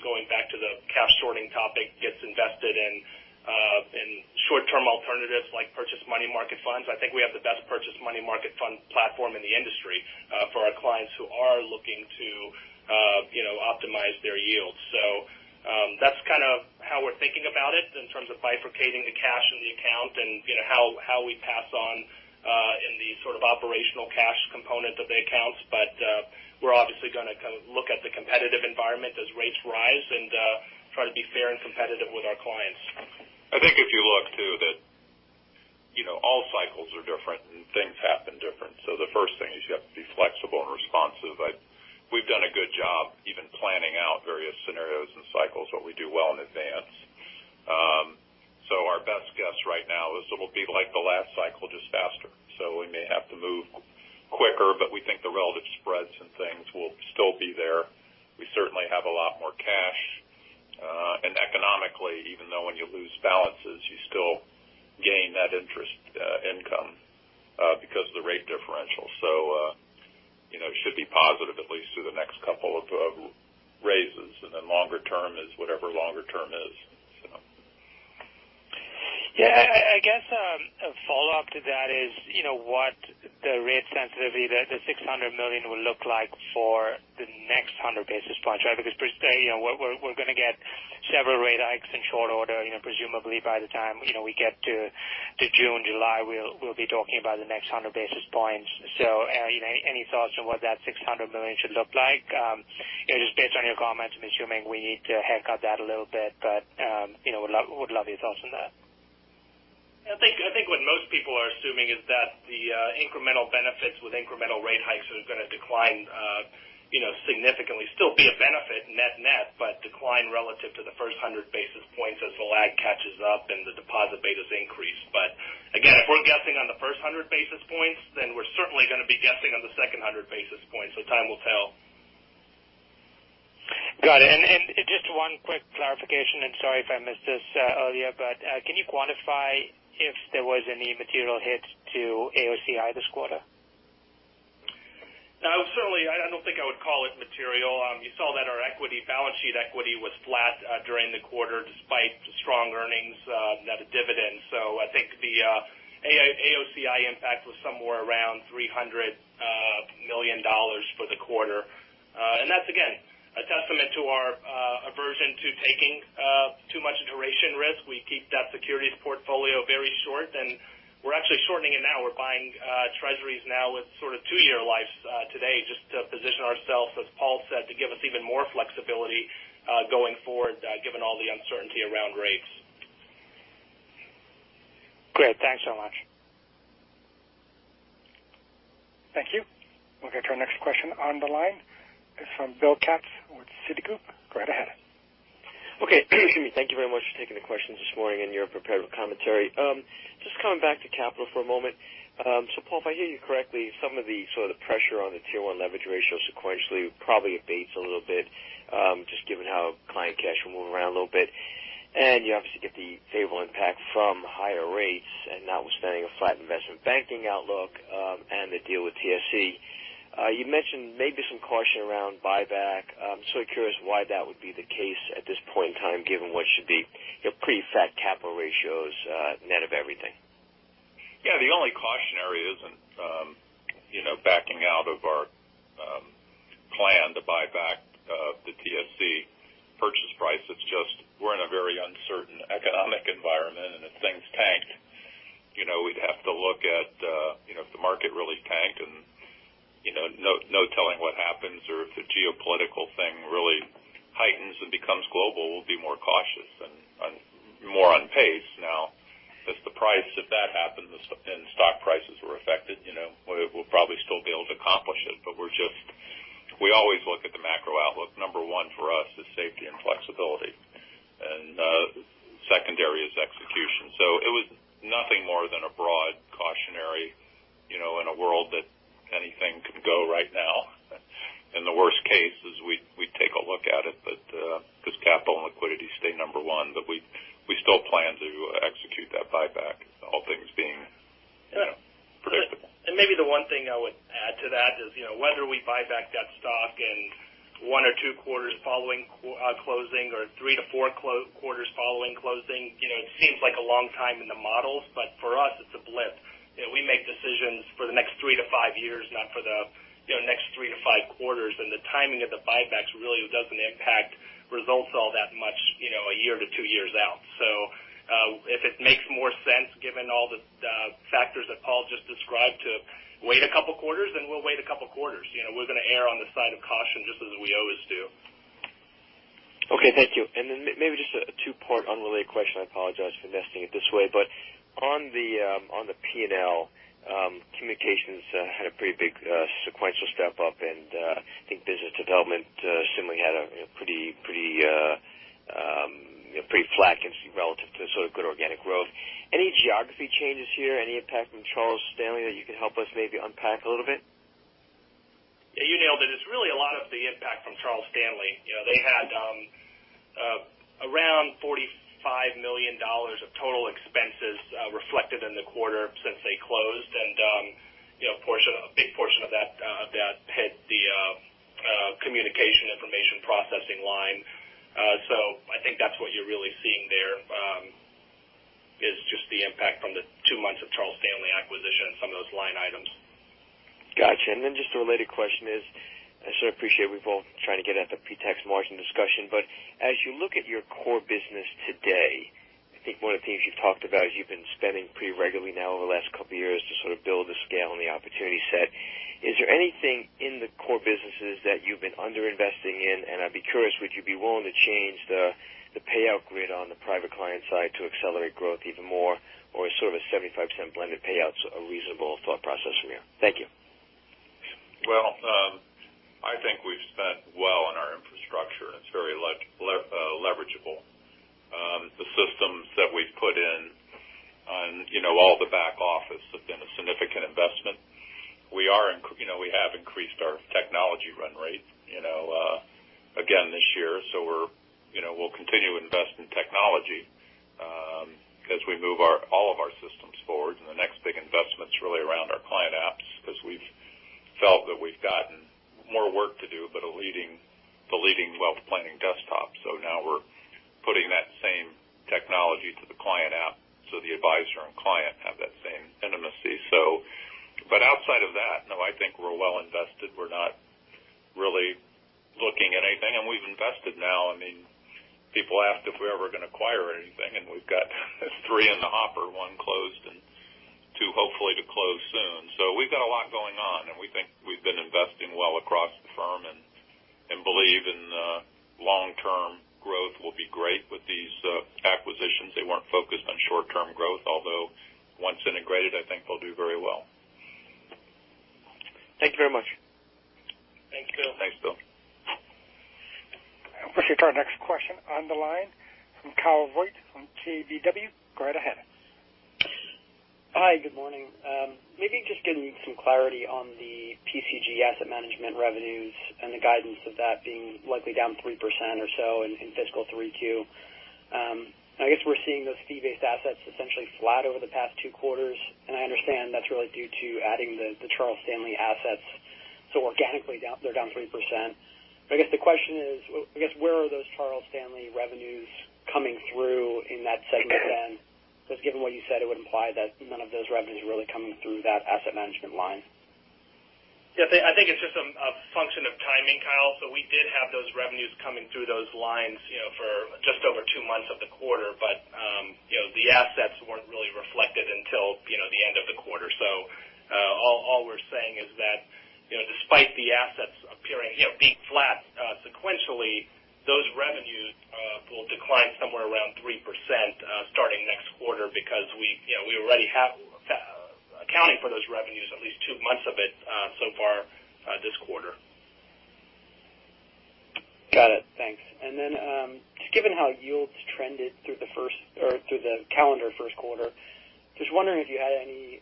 going back to the cash sorting topic, gets invested in short-term alternatives like prime money market funds. I think we have the best prime money market fund platform in the industry, for our clients who are looking to, you know, optimize their yields. That's kind of how we're thinking about it in terms of bifurcating the cash in the account and, you know, how we pass on, in the sort of operational cash component of the accounts. We're obviously gonna kind of look at the competitive environment as rates rise and, try to be fair and competitive with our clients. I think if you look to that, you know, all cycles are different, and things happen different. The first thing is you have to be flexible and responsive. We've done a good job even planning out various scenarios and cycles when we do well in advance. Our best guess right now is it'll be like the last cycle just faster. We may have to move quicker, but we think the relative spreads and things will still be there. We certainly have a lot more cash. Economically, even though when you lose balances, you still gain that interest income because of the rate differential. You know, should be positive at least through the next couple of raises. Then longer term is whatever longer term is. Yeah. I guess a follow-up to that is, you know, what the rate sensitivity, the $600 million will look like for the next 100 basis points, right? Because per se, you know, we're gonna get several rate hikes in short order, you know, presumably by the time, you know, we get to June, July, we'll be talking about the next 100 basis points. So, you know, any thoughts on what that $600 million should look like? You know, just based on your comments, I'm assuming we need to haircut that a little bit, but, you know, would love your thoughts on that. I think what most people are assuming is that the incremental benefits with incremental rate hikes are gonna decline, you know, significantly. Still be a benefit net-net, but decline relative to the first 100 basis points as the lag catches up and the deposit betas increase. Again, if we're guessing on the first 100 basis points, then we're certainly gonna be guessing on the second 100 basis points. Time will tell. Got it. Just one quick clarification, and sorry if I missed this, earlier, but, can you quantify if there was any material hit to AOCI this quarter? No. Certainly, I don't think I would call it material. You saw that our equity, balance sheet equity was flat during the quarter despite strong earnings, net of dividends. I think the AOCI impact was somewhere around $300 million for the quarter. That's again a testament to our aversion to taking too much duration risk. We keep that securities portfolio very short, and we're actually shortening it now. We're buying treasuries now with sort of two-year lives today just to position ourselves, as Paul said, to give us even more flexibility going forward given all the uncertainty around rates. Great. Thanks so much. Thank you. We'll get to our next question on the line. It's from Bill Katz with Citigroup. Go right ahead. Okay. Excuse me. Thank you very much for taking the questions this morning and your prepared commentary. Just coming back to capital for a moment. Paul, if I hear you correctly, some of the sort of pressure on the Tier 1 leverage ratio sequentially probably abates a little bit, just given how client cash will move around a little bit. You obviously get the favorable impact from higher rates and notwithstanding a flat investment banking outlook, and the deal with TSC. You mentioned maybe some caution around buyback. I'm sort of curious why that would be the case at this point in time, given what should be, you know, pretty fat capital ratios, net of everything. Yeah. The only cautionary isn't, you know, backing out of our plan to buy back the TSC purchase price. It's just we're in a very uncertain economic environment, and if things tank, you know, we'd have to look at, you know, if the market really tanked and, you know, no telling what happens or if the geopolitical thing really heightens and becomes global, we'll be more cautious and more on pace now. If the price, if that happens, and stock prices were affected, you know, we'll probably still be able to accomplish it. We're just. We always look at the macro outlook. Number one for us is safety and flexibility, and secondary is execution. It was nothing more than a broad cautionary, you know, in a world that anything could go right now. In the worst case is we'd take a look at it, but because capital and liquidity stay number one, but we still plan to execute that buyback, all things being, you know, predictable. Yeah. Maybe the one thing I would add to that is, you know, whether we buy back that stock in one or two quarters following closing or three to four quarters following closing, you know, it seems like a long time in the models. But for us, it's a blip. You know, we make decisions for the next three to five years, not for the, you know, next three to five quarters. And the timing of the buybacks really doesn't impact results all that much, you know, a year to two years out. If it makes more sense, given all the factors that Paul just described to wait a couple quarters, then we'll wait a couple quarters. You know, we're gonna err on the side of caution just as we always do. Okay. Thank you. Then maybe just a two-part unrelated question. I apologize for nesting it this way. On the P&L, communications had a pretty big sequential step up, and I think business development similarly had a you know, pretty flat as it relates to sort of good organic growth. Any geography changes here? Any impact from Charles Stanley that you can help us maybe unpack a little bit? Yeah. You nailed it. It's really a lot of the impact from Charles Stanley. You know, they had around $45 million of total expenses reflected in the quarter since they closed. You know, a portion, a big portion of that hit the information processing line. I think that's what you're really seeing there is just the impact from the two months of Charles Stanley acquisition and some of those line items. Gotcha. Then just a related question is, I sort of appreciate we're both trying to get at the pre-tax margin discussion, but as you look at your core business today, I think one of the things you've talked about is you've been spending pretty regularly now over the last couple of years to sort of build the scale and the opportunity set. Is there anything in the core businesses that you've been under-investing in? I'd be curious, would you be willing to change the payout grid on the private client side to accelerate growth even more or is sort of a 75% blended payouts a reasonable thought process from you? Thank you. Well, I think we've spent well on our infrastructure, and it's very leverageable. The systems that we've put in on, you know, all the back office have been a significant investment. We have increased our technology run rate, you know, again this year. We're, you know, we'll continue to invest in technology, as we move all of our systems forward. The next big investment's really around our client apps because we've felt that we've gotten more work to do, the leading wealth planning desktop. Now we're putting that same technology to the client app so the advisor and client have that same intimacy. Outside of that, no, I think we're well invested. We're not really looking at anything. We've invested now. I mean, people ask if we're ever going to acquire anything, and we've got three in the hopper, one closed and two hopefully to close soon. We've got a lot going on, and we think we've been investing well across the firm and believe in the long-term growth will be great with these, acquisitions. They weren't focused on short-term growth, although once integrated, I think they'll do very well. Thank you very much. Thank you. Thanks, Bill. We'll take our next question on the line from Kyle Voigt from KBW. Go right ahead. Hi. Good morning. Maybe just give me some clarity on the PCG asset management revenues and the guidance of that being likely down 3% or so in fiscal 3Q. I guess we're seeing those fee-based assets essentially flat over the past two quarters, and I understand that's really due to adding the Charles Stanley assets. Organically they're down 3%. I guess the question is where are those Charles Stanley revenues coming through in that segment then? Because given what you said, it would imply that none of those revenues are really coming through that asset management line. Yeah. I think it's just a function of timing, Kyle. We did have those revenues coming through those lines, you know, for just over two months of the quarter. You know, the assets weren't really reflected until, you know, the end of the quarter. All we're saying is that, you know, despite the assets appearing, you know, being flat sequentially, those revenues will decline somewhere around 3%, starting next quarter because we, you know, we already have accounting for those revenues at least two months of it so far this quarter. Got it. Thanks. Just given how yields trended through the first or through the calendar first quarter, just wondering if you had any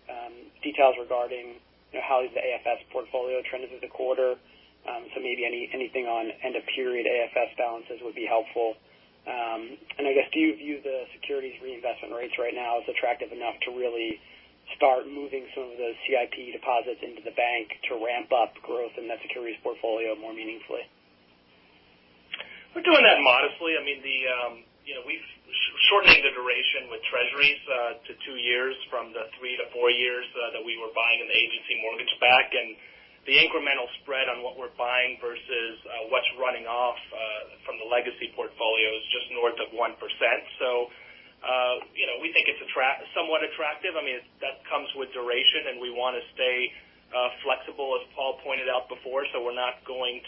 details regarding, you know, how the AFS portfolio trended through the quarter. Maybe anything on end of period AFS balances would be helpful. I guess, do you view the securities reinvestment rates right now as attractive enough to really start moving some of the CIP deposits into the bank to ramp up growth in that securities portfolio more meaningfully? We're doing that modestly. I mean, you know, we've shortened the duration with Treasuries to two years from the three to four years that we were buying in the agency MBS. The incremental spread on what we're buying versus what's running off from the legacy portfolio is just north of 1%. We think it's somewhat attractive. I mean, that comes with duration, and we want to stay flexible, as Paul pointed out before. We're not going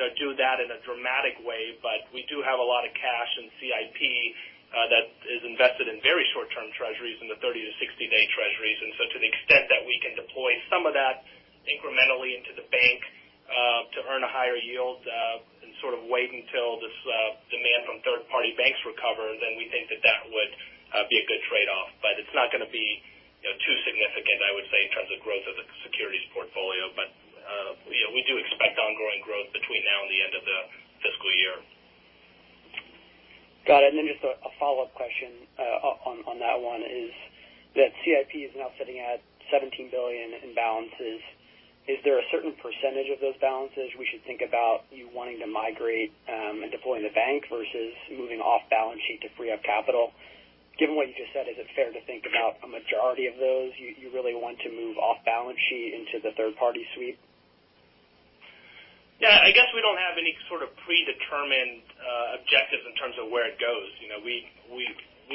to do that in a dramatic way. We do have a lot of cash in CIP that is invested in very short-term Treasuries in the 30-60-day Treasuries. To the extent that we can deploy some of that incrementally into the bank, to earn a higher yield, and sort of wait until this, demand from third-party banks recover, then we think that would be a good trade-off. It's not going to be, you know, too significant, I would say, in terms of growth of the securities portfolio. You know, we do expect ongoing growth between now and the end of the fiscal year. Got it. Just a follow-up question on that one: is that CIP now sitting at $17 billion in balances? Is there a certain percentage of those balances we should think about you wanting to migrate and deploy in the bank versus moving off balance sheet to free up capital? Given what you just said, is it fair to think about a majority of those you really want to move off balance sheet into the third-party suite? Yeah. I guess we don't have any sort of predetermined objectives in terms of where it goes. You know, we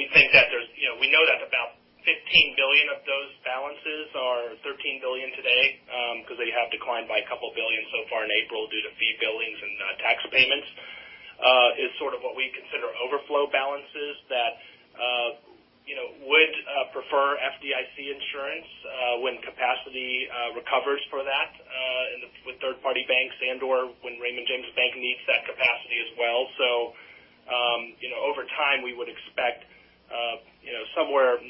think that there's, you know, we know that about $15 billion of those balances or $13 billion today, because they have declined by a couple billion so far in April due to fee billings and tax payments, is sort of what we consider overflow balances that, you know, would prefer FDIC insurance, when capacity recovers for that with third-party banks and/or when Raymond James Bank needs that capacity as well. So, you know, over time, we would expect, you know, somewhere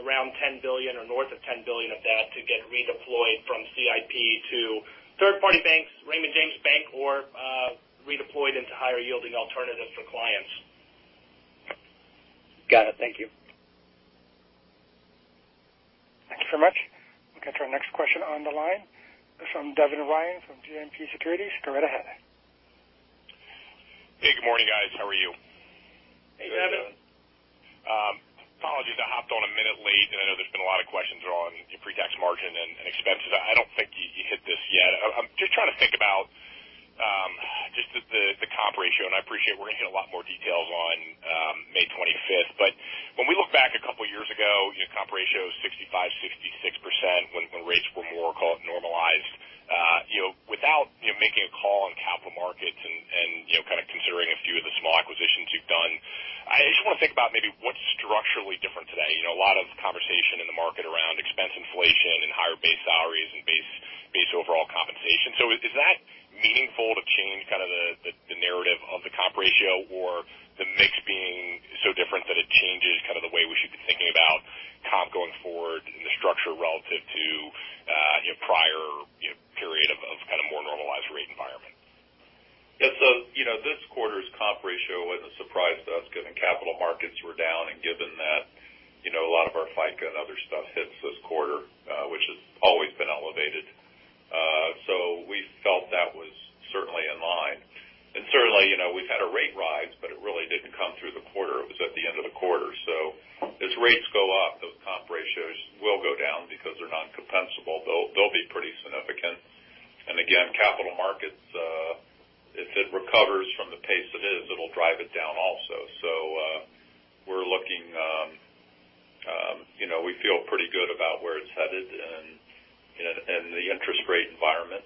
around $10 billion or north of $10 billion of that to get redeployed from CIP to third-party banks, Raymond James Bank, or redeployed into higher yielding alternatives for clients. Got it. Thank you. Thanks so much. We'll get to our next question on the line from Devin Ryan from JMP Securities. Go right ahead. Hey, good morning, guys. How are you? Hey, Devin. Apologies. I hopped on a minute late, and I know there's been a lot of questions around your pre-tax margin and expenses. I don't think you hit this yet. I'm just trying to think about just the comp ratio, and I appreciate we're gonna hit a lot more details on May twenty-fifth. When we look back a couple years ago, you know, comp ratio was 65%-66% when rates were more, call it, normalized. You know, without you know, making a call on capital markets and you know, kind of considering a few of the small acquisitions you've done, I just wanna think about maybe what's structurally different today. You know, a lot of conversation in the market around expense inflation and higher base salaries and base overall compensation. Is that meaningful to change kind of the narrative of the comp ratio or the mix being so different that it changes kind of the way we should be thinking about comp going forward and the structure relative to, you know, prior, you know, period of kind of more normalized rate environment? Yeah. You know, this quarter's comp ratio wasn't a surprise to us given capital markets were down and given that, you know, a lot of our FICA and other stuff hits this quarter, which has always been elevated. We felt that was certainly in line. Certainly, you know, we've had a rate rise, but it really didn't come through the quarter. It was at the end of the quarter. As rates go up, those comp ratios will go down because they're non-compensable. They'll be pretty significant. Again, capital markets, if it recovers from the pace it is, it'll drive it down also. You know, we feel pretty good about where it's headed and the interest rate environment.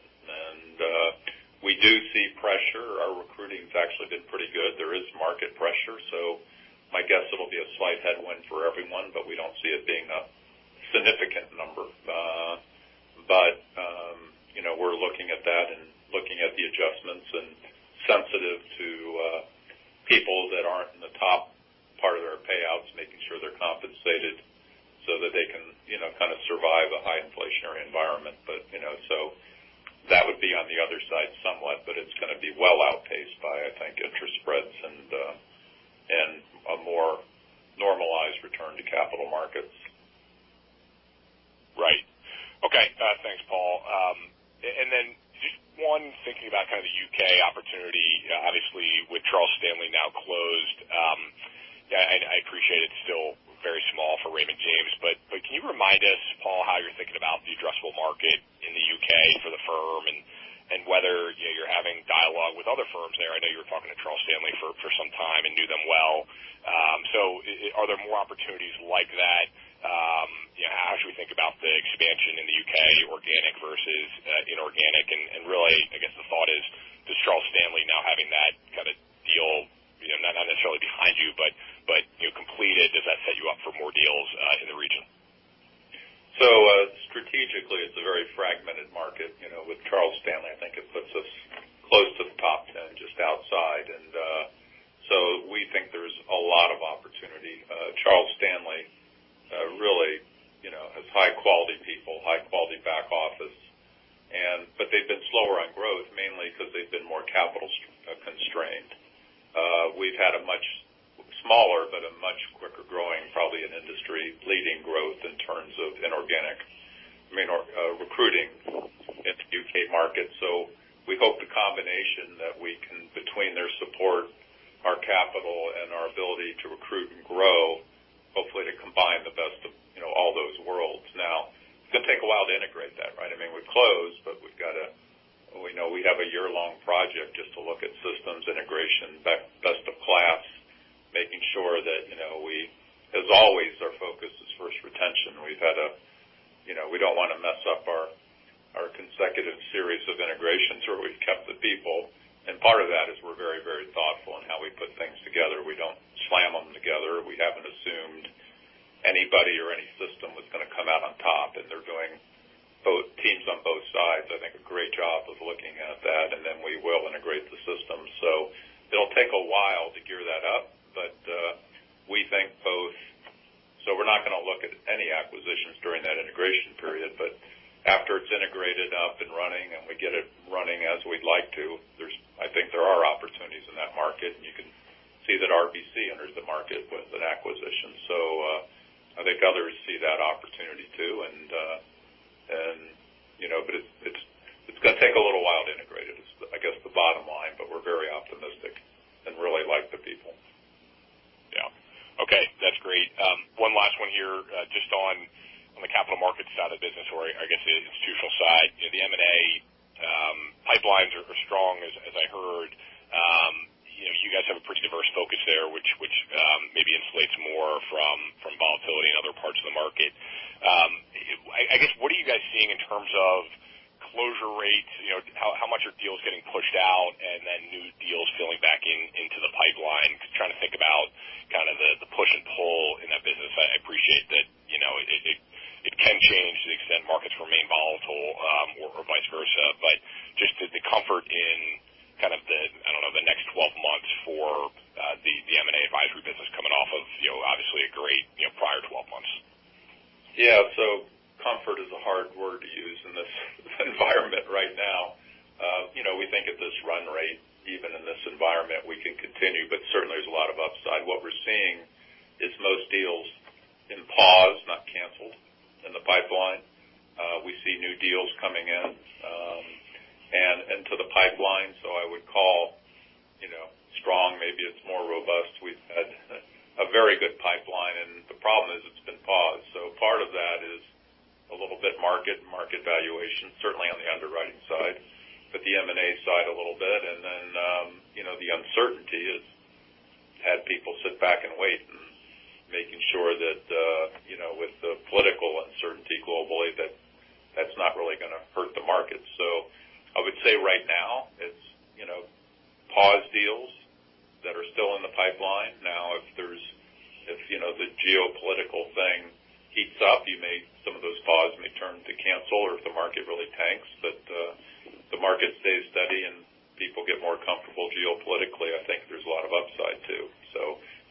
We do see pressure. Our recruiting's actually been pretty good. There is market pressure, so my guess it'll be a slight headwind for everyone, but we don't see it being a significant number. You know, we're looking at that and looking at the adjustments and sensitive to people that aren't in the top part of their payouts, making sure they're compensated so that they can, you know, kind of survive a high inflationary environment. You know, that would be on the other side somewhat, but it's gonna be well outpaced by, I think, interest spreads and a more normalized return to capital markets. Right. Okay. Thanks, Paul. And then just one thinking about kind of the U.K. opportunity, obviously with Charles Stanley now closed, I appreciate it's still very small for Raymond James, but can you remind us, Paul, how you're thinking about the addressable market in the U.K. for the firm and whether, you know, you're having dialogue with other firms there? I know you were talking to Charles Stanley for some time and knew them well. So are there more opportunities like that? You know, how should we think about the expansion in the U.K., organic versus inorganic? And really, I guess, the thought is does Charles Stanley now having that kind of deal, you know, not necessarily behind you, but you know completed, does that set you up for more deals in the region? Strategically, it's a very fragmented market. You know, with Charles Stanley, I think it puts us close to the top 10, just outside. We think there's a lot of opportunity. Charles Stanley really, you know, has high quality people, high quality back office. They've been slower on growth, mainly because they've been more capital constrained. We've had a much smaller but a much quicker growing, probably an industry-leading growth in terms of inorganic, I mean, organic recruiting in the U.K. market. We hope the combination that we can, between their support, our capital, and our ability to recruit and grow, hopefully to combine the best of, you know, all those worlds. Now, it's gonna take a while to integrate that, right? I mean, we've closed, but we know we have a year-long project just to look at systems integration, best of class, making sure that, you know, as always, our focus is first retention. You know, we don't wanna mess up our consecutive series of integrations where we've kept the people, and part of that is we're very, very thoughtful in how we put things together. We don't slam them together. We haven't assumed anybody or any system was gonna come out on top, and they're doing both, teams on both sides, I think, a great job of looking at that, and then we will integrate the system. It'll take a while to gear that up, but we think both. We're not gonna look at any acquisitions during that integration period. After it's integrated, up and running, and we get it running as we'd like to, I think there are opportunities in that market, and you can see that RBC enters the market with an acquisition. I think others see that opportunity too. You know, it's gonna take a little while to integrate. It is, I guess, the bottom line, but we're very optimistic and really like the people. Yeah. Okay. That's great. One last one here, just on the capital markets side of the business or I guess the institutional side. You know, the M&A pipelines are strong as I heard. You know, you guys have a pretty diverse focus there, which maybe insulates more from volatility in other parts of the market. I guess what are you guys seeing in terms of closure rates? You know, how much are deals getting pushed out and then new deals filling back in, into the pipeline? Just trying to think about kind of the push and pull in that business. I appreciate that, you know, it can change to the extent markets remain volatile, or vice versa. Just the comfort in kind of the, I don't know, the next 12 months for the M&A advisory business coming off of, you know, obviously a great, you know, prior 12 months. Yeah. Comfort is a hard word to use in this environment right now. You know, we think at this run rate, even in this environment, we can continue. Certainly, there's a lot of upside. What we're seeing is most deals in pause, not canceled in the pipeline. We see new deals coming in, and into the pipeline. I would call, you know, strong, maybe it's more robust. We've had a very good pipeline, and the problem is it's been paused. Part of that is a little bit market valuation, certainly on the underwriting side, but the M&A side a little bit. Then, you know, the uncertainty has had people sit back and wait, making sure that, you know, with the political uncertainty globally, that that's not really gonna hurt the market. I would say right now it's, you know, paused deals that are still in the pipeline. Now, if there's, you know, the geopolitical thing heats up, some of those pauses may turn to cancel or if the market really tanks. The market stays steady and people get more comfortable geopolitically, I think there's a lot of upside, too.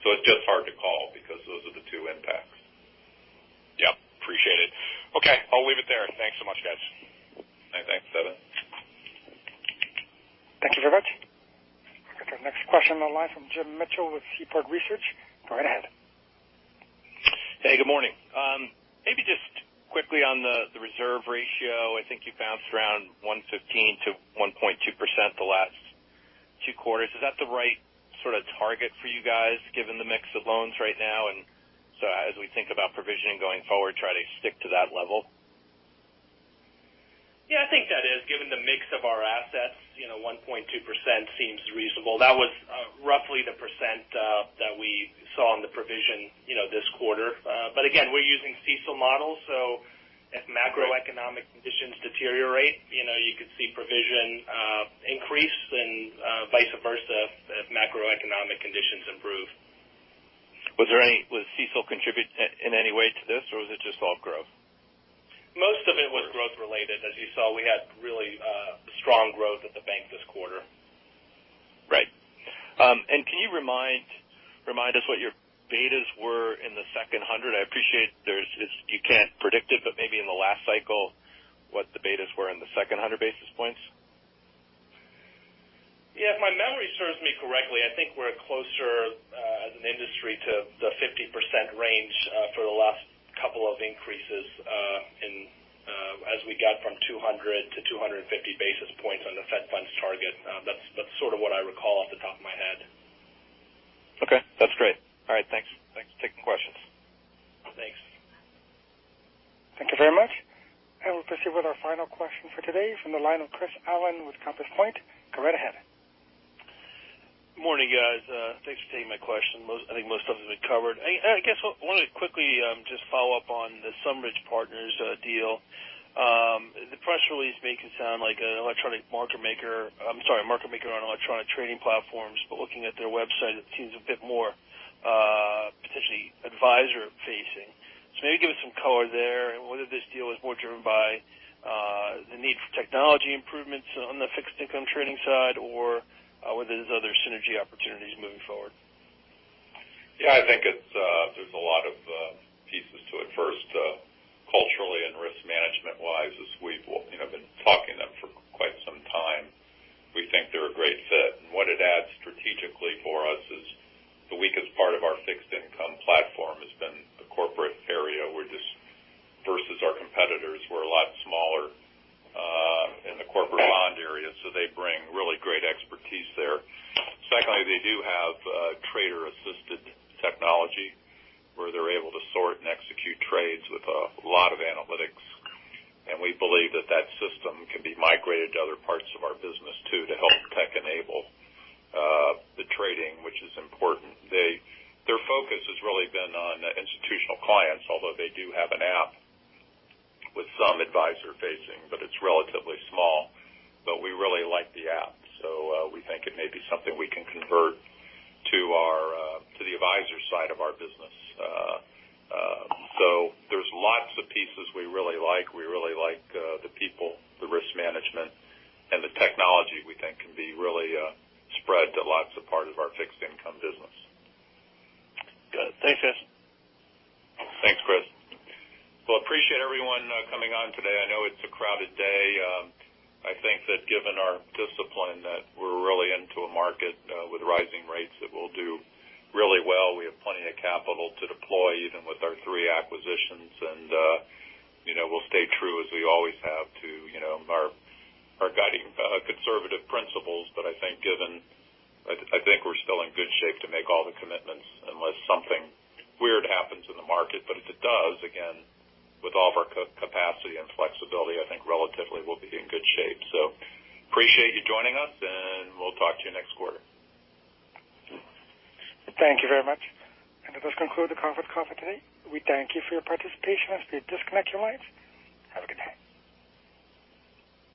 It's just hard to call because those are the two impacts. Yep, appreciate it. Okay, I'll leave it there. Thanks so much, guys. Thanks. Devin Ryan. Thank you very much. Okay, next question on the line from Jim Mitchell with Seaport Global Securities. Go right ahead. Hey, good morning. Maybe just quickly on the reserve ratio. I think you bounced around 1.15%-1.2% the last two quarters. Is that the right sort of target for you guys, given the mix of loans right now? As we think about provisioning going forward, try to stick to that level. Yeah, I think that is. Given the mix of our assets, you know, 1.2% seems reasonable. That was roughly the percent that we saw in the provision, you know, this quarter. Again, we're using CECL models, so if macroeconomic conditions deteriorate, you know, you could see provision increase and vice versa if macroeconomic conditions improve. Was CECL contribute in any way to this, or was it just all growth? Most of it was growth related. As you saw, we had really strong growth at the bank this quarter. Right. Can you remind us what your betas were in the second 100? I appreciate you can't predict it, but maybe in the last cycle, what the betas were in the second 100 basis points? Yeah, if my memory serves me correctly, I think we're closer as an industry to the 50% range for the last couple of increases in as we got from 200 to 250 basis points on the Fed funds target. That's sort of what I recall off the top of my head. Okay, that's great. All right, thanks. Thanks for taking questions. Thanks. Thank you very much. We'll proceed with our final question for today from the line of Chris Allen with Compass Point. Go right ahead. Good morning, guys. Thanks for taking my question. Most, I think most of it has been covered. I guess I wanted to quickly just follow up on the SumRidge Partners deal. The press release makes it sound like an electronic market maker. I'm sorry, a market maker on electronic trading platforms, but looking at their website, it seems a bit more potentially advisor facing. Maybe give us some color there and whether this deal is more driven by the need for technology improvements on the fixed income trading side or whether there's other synergy opportunities moving forward. Yeah, I think there's a lot of pieces to it. First, culturally and risk-management-wise, as we've, you know, been talking about them for quite some time, we think they're a great fit. What it adds strategically for us is the weakest part of our fixed income platform has been the corporate area. We're just a lot smaller versus our competitors in the corporate bond area, so they bring